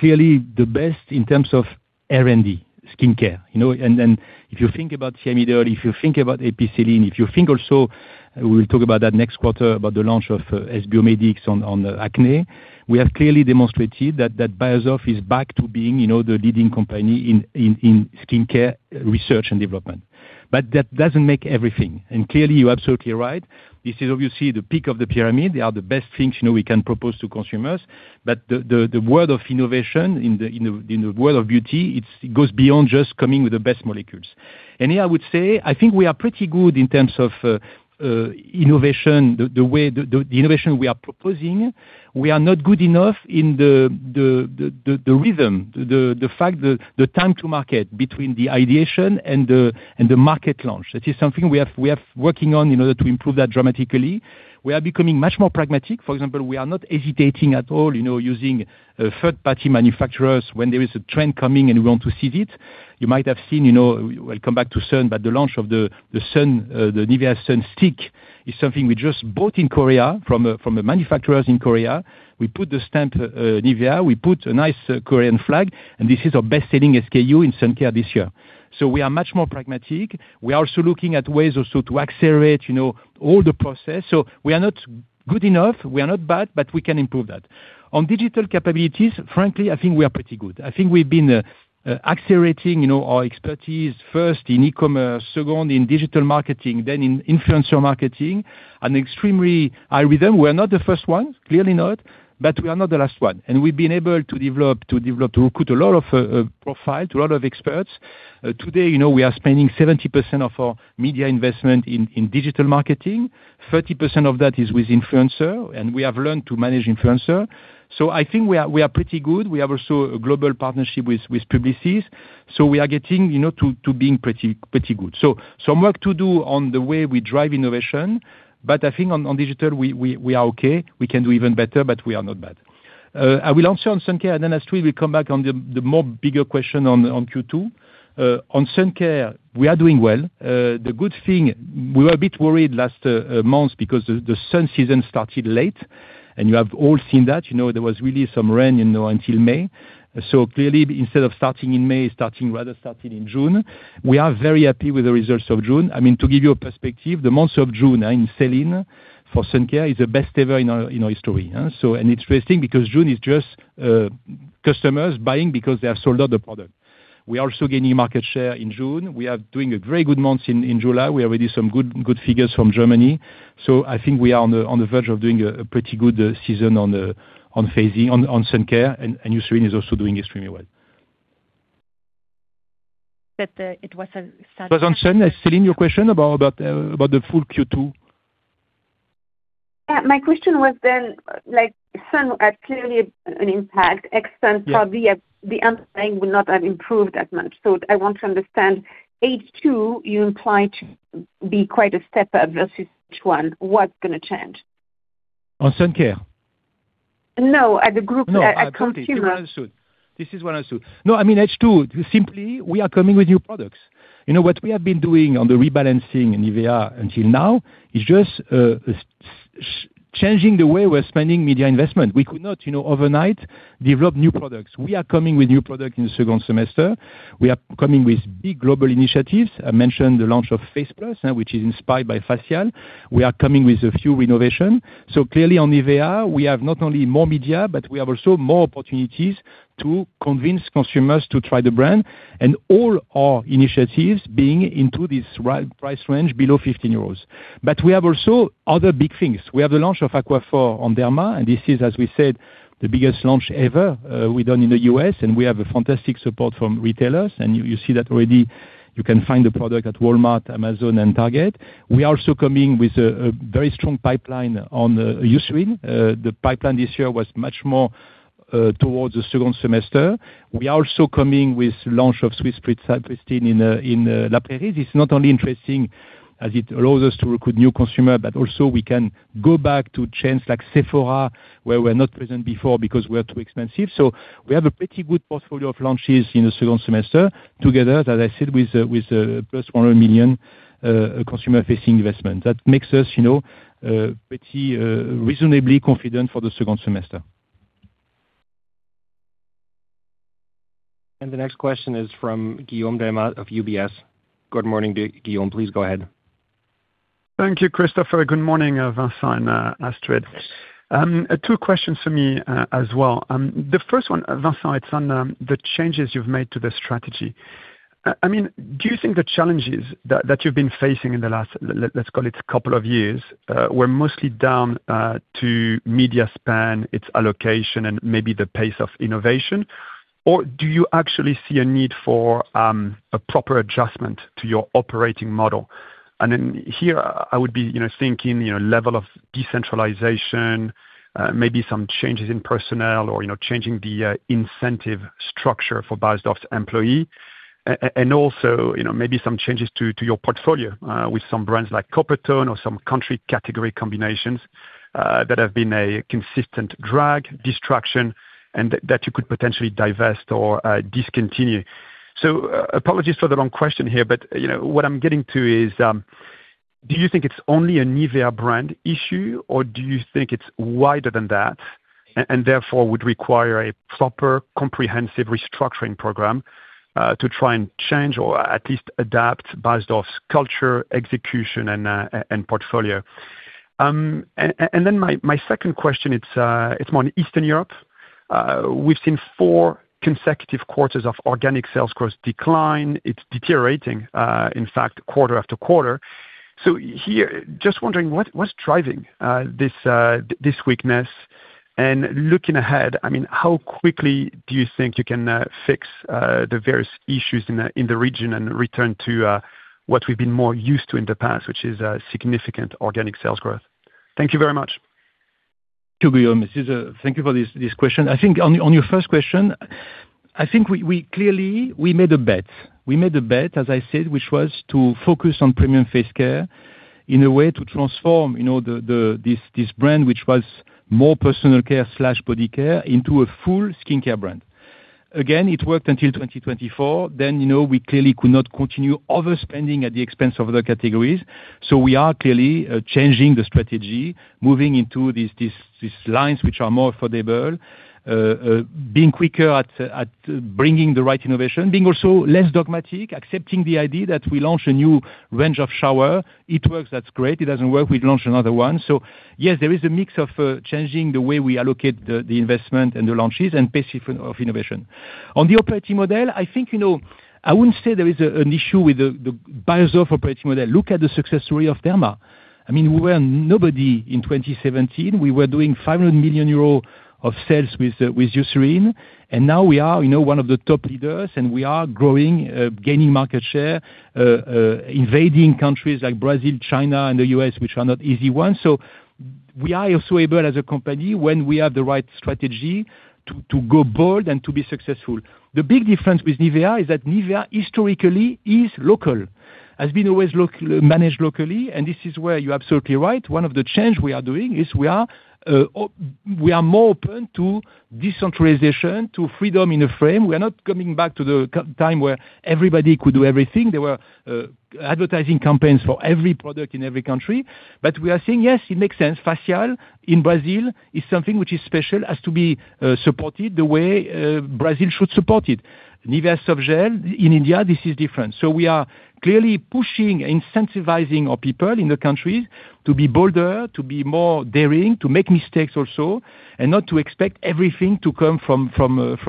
clearly the best in terms of R&D skincare. Then if you think about Hyaluron, if you think about Epicelline, if you think also, we will talk about that next quarter about the launch of SB Medics on acne. We have clearly demonstrated that Beiersdorf is back to being the leading company in skincare research and development. That doesn't make everything, and clearly, you're absolutely right. This is obviously the peak of the pyramid. They are the best things we can propose to consumers. The world of innovation in the world of beauty, it goes beyond just coming with the best molecules. Here I would say, I think we are pretty good in terms of innovation, the innovation we are proposing. We are not good enough in the rhythm, the time to market between the ideation and the market launch. That is something we are working on in order to improve that dramatically. We are becoming much more pragmatic. For example, we are not hesitating at all using third-party manufacturers when there is a trend coming and we want to seize it. You might have seen, we will come back to sun, but the launch of the NIVEA Sun stick is something we just bought in Korea from the manufacturers in Korea. We put the stamp NIVEA. We put a nice Korean flag, and this is our best-selling SKU in sun care this year. We are much more pragmatic. We are also looking at ways to accelerate all the process. We are not good enough, we are not bad, but we can improve that. On digital capabilities, frankly, I think we are pretty good. I think we have been accelerating our expertise first in e-commerce, second in digital marketing, then in influencer marketing at an extremely high rhythm. We are not the first one, clearly not, but we are not the last one. We have been able to develop, to recruit a lot of profile, a lot of experts. Today, we are spending 70% of our media investment in digital marketing. 30% of that is with influencer, and we have learned to manage influencer. I think we are pretty good. We have also a global partnership with Publicis. We are getting to being pretty good. Some work to do on the way we drive innovation. I think on digital, we are okay. We can do even better, we are not bad. I will answer on sun care, then as well, we come back on the more bigger question on Q2, sun care, we are doing well. The good thing, we were a bit worried last month because the sun season started late, and you have all seen that. There was really some rain until May. Clearly instead of starting in May, rather starting in June. We are very happy with the results of June. To give you a perspective, the month of June in selling for sun care is the best ever in our history. It is interesting because June is just customers buying because they have sold out the product. We are also gaining market share in June. We are doing a very good month in July. We already have some good figures from Germany. I think we are on the verge of doing a pretty good season on sun care, Eucerin is also doing extremely well. Was on sun, Celine, your question about the full Q2? Yeah, my question was then, sun had clearly an impact. Yeah Probably the underlying would not have improved that much. I want to understand H2, you implied to be quite a step up versus H1. What's going to change? On sun care? No, at the group consumer. [inaudible] This is what I saw. No, I mean, H2, simply, we are coming with new products. What we have been doing on the rebalancing in NIVEA until now is just changing the way we're spending media investment. We could not, overnight, develop new products. We are coming with new product in the second semester. We are coming with big global initiatives. I mentioned the launch of Face Plus which is inspired by facial. We are coming with a few renovation. Clearly on NIVEA, we have not only more media, but we have also more opportunities to convince consumers to try the brand, and all our initiatives being into this right price range below 15 euros. We have also other big things. We have the launch of Aquaphor on Derma, and this is, as we said, the biggest launch ever we've done in the U.S., and we have a fantastic support from retailers, and you see that already. You can find the product at Walmart, Amazon, and Target. We are also coming with a very strong pipeline on Eucerin. The pipeline this year was much more towards the second semester. We are also coming with launch of Swiss Precision in La Prairie. It's not only interesting as it allows us to recruit new consumer, but also we can go back to chains like Sephora, where we're not present before because we are too expensive. We have a pretty good portfolio of launches in the second semester together, as I said, with +100 million consumer-facing investment. That makes us pretty reasonably confident for the second semester. The next question is from Guillaume Delmas of UBS. Good morning, Guillaume. Please go ahead. Thank you, Christopher. Good morning, Vincent, Astrid. Two questions for me as well. The first one, Vincent, it's on the changes you've made to the strategy. Do you think the challenges that you've been facing in the last, let's call it couple of years, were mostly down to media spend, its allocation, and maybe the pace of innovation? Or do you actually see a need for a proper adjustment to your operating model? Here I would be thinking level of decentralization, maybe some changes in personnel or changing the incentive structure for Beiersdorf's employee. Also maybe some changes to your portfolio, with some brands like Coppertone or some country category combinations that have been a consistent drag, distraction, and that you could potentially divest or discontinue. Apologies for the long question here, but what I'm getting to is, do you think it's only a NIVEA brand issue, or do you think it's wider than that, and therefore would require a proper, comprehensive restructuring program, to try and change or at least adapt Beiersdorf's culture, execution, and portfolio? My second question, it's more on Eastern Europe. We've seen four consecutive quarters of organic sales growth decline. It's deteriorating, in fact, quarter after quarter. Here, just wondering what's driving this weakness and looking ahead, how quickly do you think you can fix the various issues in the region and return to what we've been more used to in the past, which is significant organic sales growth? Thank you very much. Thank you for this question. I think on your first question, I think clearly we made a bet. We made a bet, as I said, which was to focus on premium face care in a way to transform this brand, which was more personal care/body care, into a full skincare brand. Again, it worked until 2024, then we clearly could not continue overspending at the expense of other categories. We are clearly changing the strategy, moving into these lines, which are more affordable, being quicker at bringing the right innovation, being also less dogmatic, accepting the idea that we launch a new range of shower. It works, that's great. It doesn't work, we launch another one. Yes, there is a mix of changing the way we allocate the investment and the launches and pace of innovation. On the operating model, I wouldn't say there is an issue with the Beiersdorf operating model. Look at the success story of Derma. We were nobody in 2017. We were doing 500 million euros of sales with Eucerin, and now we are one of the top leaders, and we are growing, gaining market share, invading countries like Brazil, China, and the U.S., which are not easy ones. We are also able, as a company, when we have the right strategy, to go bold and to be successful. The big difference with NIVEA is that NIVEA historically is local, has been always managed locally, and this is where you're absolutely right. One of the changes we are doing is we are more open to decentralization, to freedom in a frame. We are not coming back to the time where everybody could do everything. There were advertising campaigns for every product in every country. We are saying, yes, it makes sense. Facial in Brazil is something which is special, has to be supported the way Brazil should support it. NIVEA Sun Gel in India, this is different. We are clearly pushing, incentivizing our people in the countries to be bolder, to be more daring, to make mistakes also, and not to expect everything to come from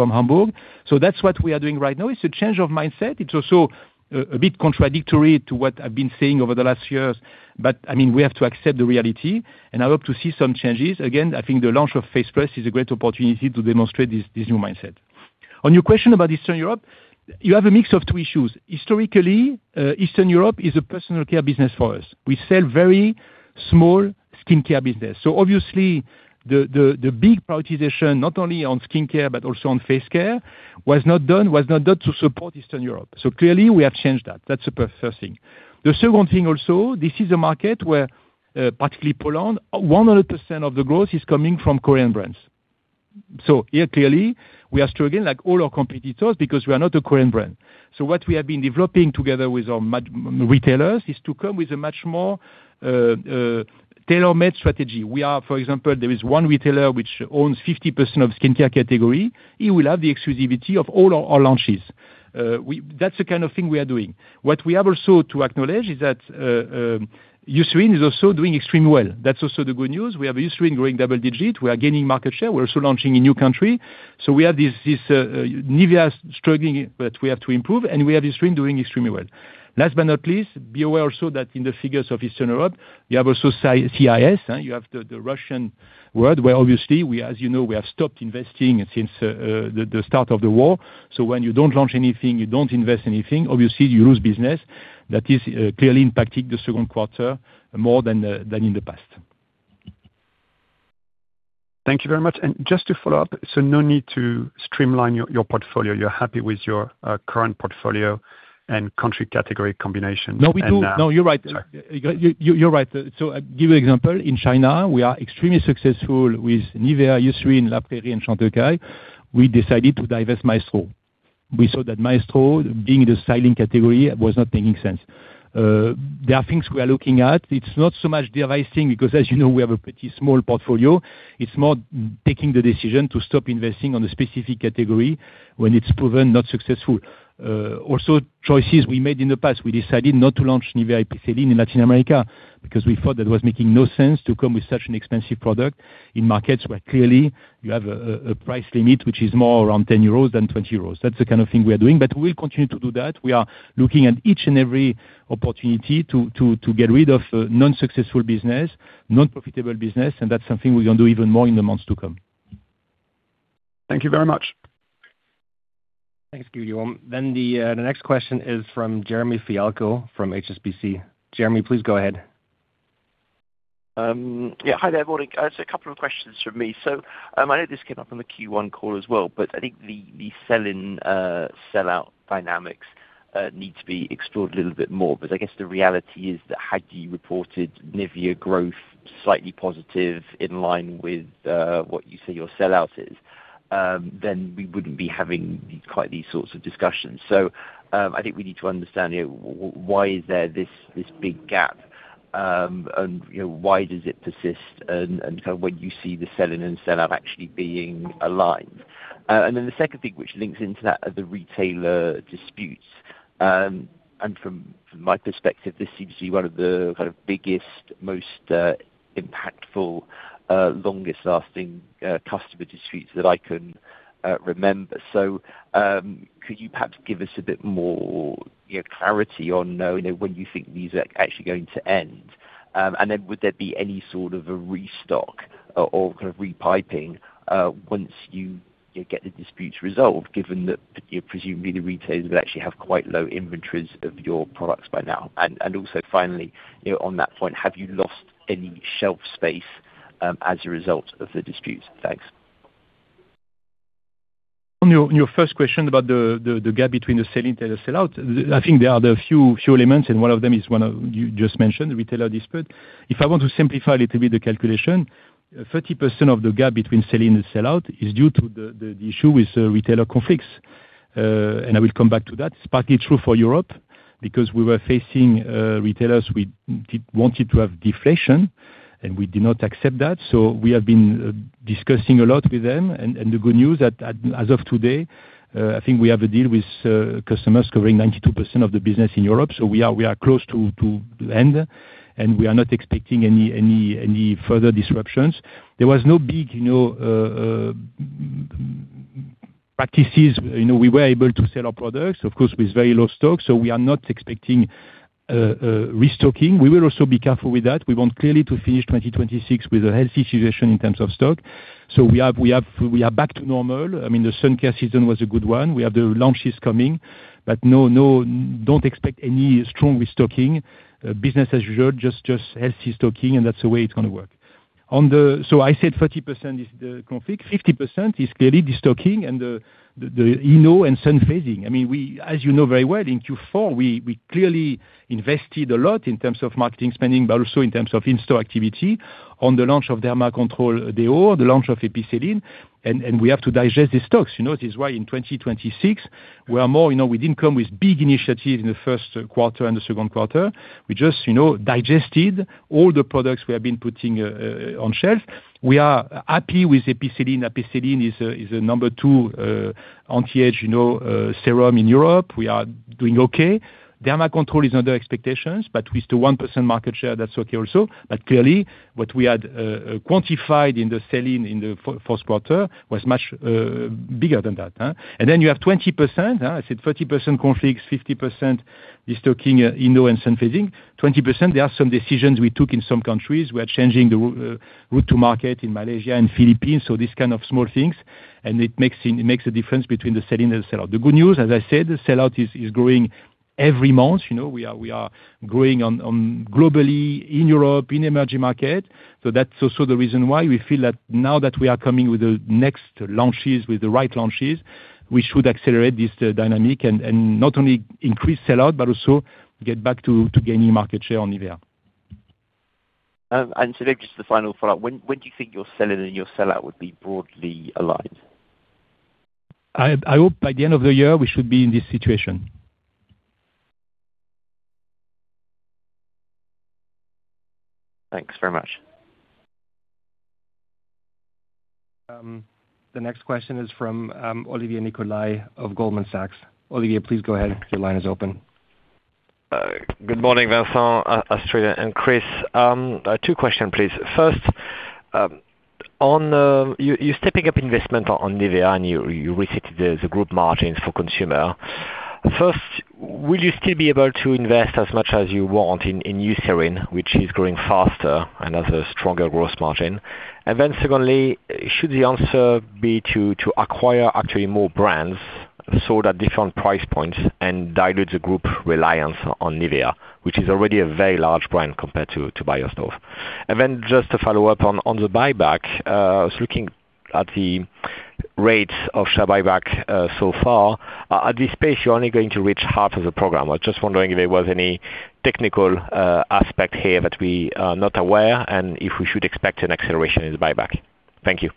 Hamburg. That's what we are doing right now. It's a change of mindset. It's also a bit contradictory to what I've been saying over the last years, we have to accept the reality, and I hope to see some changes. Again, I think the launch of Face Plus is a great opportunity to demonstrate this new mindset. On your question about Eastern Europe, you have a mix of two issues. Historically, Eastern Europe is a personal care business for us. We sell very small skin care business. Obviously the big prioritization, not only on skin care but also on face care, was not done to support Eastern Europe. Clearly we have changed that. That's the first thing. The second thing also, this is a market where, particularly Poland, 100% of the growth is coming from Korean brands. Here, clearly, we are struggling like all our competitors because we are not a Korean brand. What we have been developing together with our retailers is to come with a much more tailor-made strategy. For example, there is one retailer which owns 50% of skin care category. He will have the exclusivity of all our launches. That's the kind of thing we are doing. What we have also to acknowledge is that Eucerin is also doing extremely well. That's also the good news. We have Eucerin growing double digit. We are gaining market share. We're also launching in new country. We have this NIVEA struggling, we have to improve, and we have Eucerin doing extremely well. Last but not least, be aware also that in the figures of Eastern Europe, you have also CIS. You have the Russian world where obviously, as you know, we have stopped investing since the start of the war. When you don't launch anything, you don't invest anything, obviously you lose business. That is clearly impacting the second quarter more than in the past. Thank you very much. Just to follow up, no need to streamline your portfolio. You're happy with your current portfolio and country category combination. No, we do. No, you're right. I give you example. In China, we are extremely successful with NIVEA, Eucerin, La Prairie, and Shiseido. We decided to divest Maestro. We saw that Maestro, being in the styling category, was not making sense. There are things we are looking at. It's not so much divesting because, as you know, we have a pretty small portfolio. It's more taking the decision to stop investing on a specific category when it's proven not successful. Also, choices we made in the past, we decided not to launch NIVEA in Latin America because we thought that it was making no sense to come with such an expensive product in markets where clearly you have a price limit which is more around 10 euros than 20 euros. That's the kind of thing we are doing, but we'll continue to do that. We are looking at each and every opportunity to get rid of non-successful business, non-profitable business, that's something we're going to do even more in the months to come. Thank you very much. Thanks, Guillaume. The next question is from Jeremy Fialko from HSBC. Jeremy, please go ahead. Yeah. Hi there. Morning. A couple of questions from me. I know this came up on the Q1 call as well, but I think the sell-in sell-out dynamics need to be explored a little bit more. I guess the reality is that had you reported NIVEA growth slightly positive in line with what you say your sell-out is, we wouldn't be having quite these sorts of discussions. I think we need to understand why is there this big gap, and why does it persist and when you see the sell-in and sell-out actually being aligned. The second thing which links into that are the retailer disputes. From my perspective, this seems to be one of the biggest, most impactful, longest lasting customer disputes that I can remember. Could you perhaps give us a bit more clarity on when you think these are actually going to end? Would there be any sort of a restock or repiping once you get the disputes resolved, given that presumably the retailers will actually have quite low inventories of your products by now? Finally, on that point, have you lost any shelf space as a result of the disputes? Thanks. On your first question about the gap between the sell in and the sell out, I think there are other few elements, and one of them is one you just mentioned, retailer dispute. If I want to simplify a little bit the calculation, 30% of the gap between sell in and sell out is due to the issue with retailer conflicts. I will come back to that. It's partly true for Europe because we were facing retailers who wanted to have deflation, and we did not accept that. We have been discussing a lot with them. The good news, as of today, I think we have a deal with customers covering 92% of the business in Europe. We are close to the end, and we are not expecting any further disruptions. There was no big practices. We were able to sell our products, of course, with very low stock. We will also be careful with that. We want clearly to finish 2026 with a healthy situation in terms of stock. We are back to normal. The sun care season was a good one. We have the launches coming, but don't expect any strong restocking. Business as usual, just healthy stocking, and that's the way it's going to work. I said 30% is the conflict. 50% is clearly destocking and the Inno and sun phasing. As you know very well, in Q4, we clearly invested a lot in terms of marketing spending, but also in terms of in-store activity on the launch of Derma Control DEO, the launch of Epicelline, and we have to digest these stocks. This is why in 2026, we didn't come with big initiatives in the first quarter and the second quarter. We just digested all the products we have been putting on shelf. We are happy with Epicelline. Epicelline is the number two anti-age serum in Europe. We are doing okay. Derma Control is under expectations, but with still 1% market share, that's okay also. But clearly, what we had quantified in the sell in the fourth quarter was much bigger than that. Then you have 20%. I said 30% conflicts, 50% destocking Inno and sun phasing. 20%, there are some decisions we took in some countries. We are changing the route to market in Malaysia and Philippines, so these kind of small things. It makes a difference between the sell in and the sell out. The good news, as I said, the sell out is growing every month. We are growing globally, in Europe, in emerging market. That's also the reason why we feel that now that we are coming with the next launches, with the right launches, we should accelerate this dynamic and not only increase sell out, but also get back to gaining market share on NIVEA. Maybe just the final follow-up. When do you think your sell in and your sell out would be broadly aligned? I hope by the end of the year, we should be in this situation. Thanks very much. The next question is from Olivier Nicolai of Goldman Sachs. Olivier, please go ahead. Your line is open. Good morning, Vincent, Astrid, and Chris. Two question, please. First, you're stepping up investment on NIVEA, and you reset the group margins for consumer. First, will you still be able to invest as much as you want in Eucerin, which is growing faster and has a stronger growth margin? Secondly, should the answer be to acquire actually more brands sold at different price points and dilute the group reliance on NIVEA, which is already a very large brand compared to Beiersdorf? Just to follow up on the buyback, I was looking at the rates of share buyback so far. At this pace, you're only going to reach half of the program. I was just wondering if there was any technical aspect here that we are not aware and if we should expect an acceleration in the buyback. Thank you.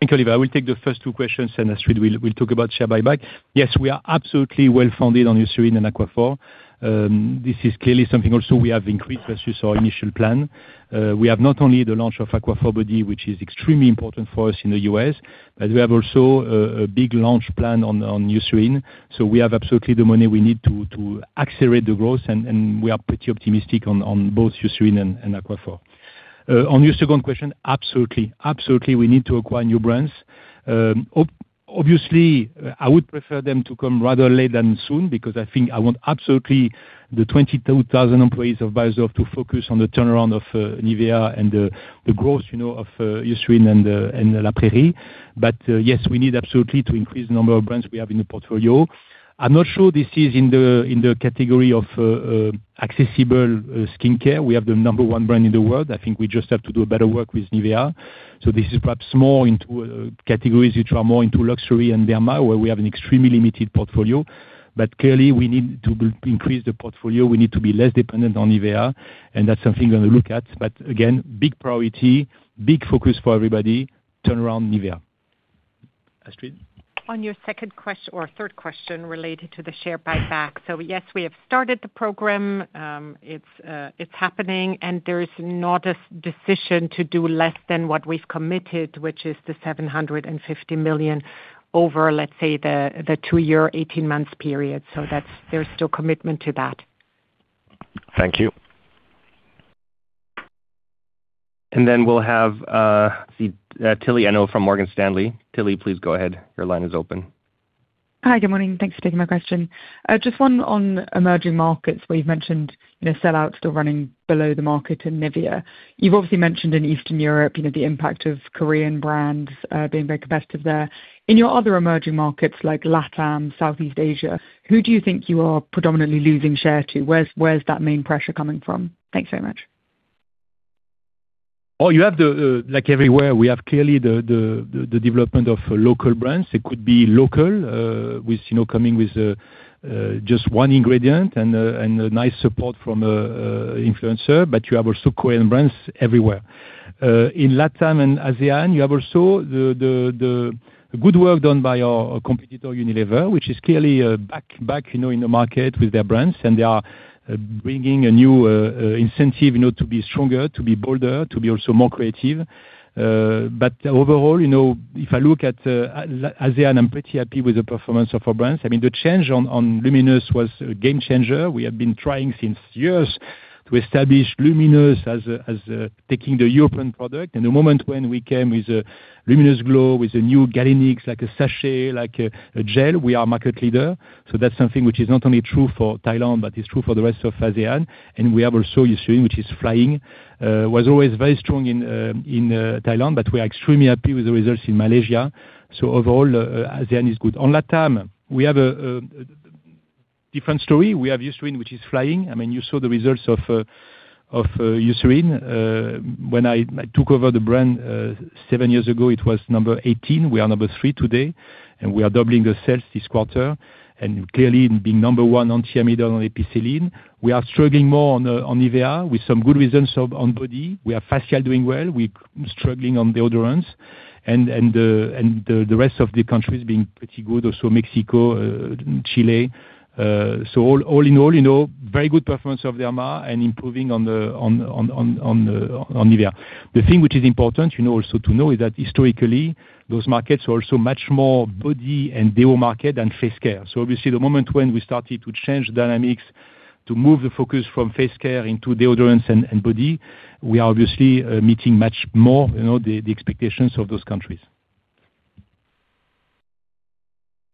Thank you, Olivier. I will take the first two questions, and Astrid will talk about share buyback. Yes, we are absolutely well-founded on Eucerin and Aquaphor. This is clearly something also we have increased versus our initial plan. We have not only the launch of Aquaphor Body, which is extremely important for us in the U.S., but we have also a big launch plan on Eucerin. We have absolutely the money we need to accelerate the growth, and we are pretty optimistic on both Eucerin and Aquaphor. On your second question, absolutely. Absolutely, we need to acquire new brands. Obviously, I would prefer them to come rather late than soon because I think I want absolutely the 22,000 employees of Beiersdorf to focus on the turnaround of NIVEA and the growth of Eucerin and La Prairie. Yes, we need absolutely to increase the number of brands we have in the portfolio. I'm not sure this is in the category of accessible skincare. We have the number one brand in the world. I think we just have to do a better work with NIVEA. This is perhaps more into categories which are more into luxury and Derma, where we have an extremely limited portfolio. Clearly, we need to increase the portfolio. We need to be less dependent on NIVEA, and that's something we're going to look at. Again, big priority, big focus for everybody, turn around NIVEA. Astrid? On your second question or third question related to the share buyback. Yes, we have started the program. It's happening, and there is not a decision to do less than what we've committed, which is the 750 million over, let's say, the two-year, 18-month period. There's still commitment to that. Thank you. Will have, Tilly Eno from Morgan Stanley. Tilly, please go ahead. Your line is open. Hi, good morning. Thanks for taking my question. Just one on emerging markets where you've mentioned sellout still running below the market in NIVEA. You've obviously mentioned in Eastern Europe, the impact of Korean brands being very competitive there. In your other emerging markets like LATAM, Southeast Asia, who do you think you are predominantly losing share to? Where's that main pressure coming from? Thanks very much. You have everywhere we have clearly the development of local brands. It could be local with coming with just one ingredient and a nice support from influencer, but you have also Korean brands everywhere. In LATAM and ASEAN, you have also the good work done by our competitor, Unilever, which is clearly back in the market with their brands, and they are bringing a new incentive to be stronger, to be bolder, to be also more creative. Overall, if I look at ASEAN, I'm pretty happy with the performance of our brands. I mean, the change on Luminous was a game changer. We have been trying since years to establish Luminous as taking the European product, and the moment when we came with Luminous Glow, with a new galenic, like a sachet, like a gel, we are market leader. That's something which is not only true for Thailand, but is true for the rest of ASEAN. We have also Eucerin, which is flying. Was always very strong in Thailand, but we are extremely happy with the results in Malaysia. Overall, ASEAN is good. On LATAM, we have a different story. We have Eucerin, which is flying. You saw the results of Eucerin. When I took over the brand seven years ago, it was number 18. We are number three today, and we are doubling the sales this quarter. Clearly being number one on Thiamidol and Epicelline. We are struggling more on NIVEA with some good results on body. We have NIVEA Facial doing well. We're struggling on deodorants. The rest of the countries being pretty good, also Mexico, Chile. All in all, very good performance of the Derma and improving on NIVEA. The thing which is important also to know is that historically, those markets are also much more body and deo market than face care. Obviously, the moment when we started to change dynamics to move the focus from face care into deodorants and body, we are obviously meeting much more the expectations of those countries.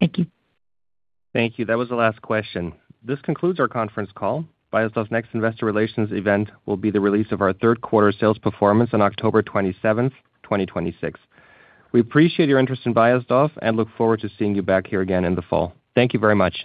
Thank you. Thank you. That was the last question. This concludes our conference call. Beiersdorf's next investor relations event will be the release of our third quarter sales performance on October 27th, 2026. We appreciate your interest in Beiersdorf and look forward to seeing you back here again in the fall. Thank you very much.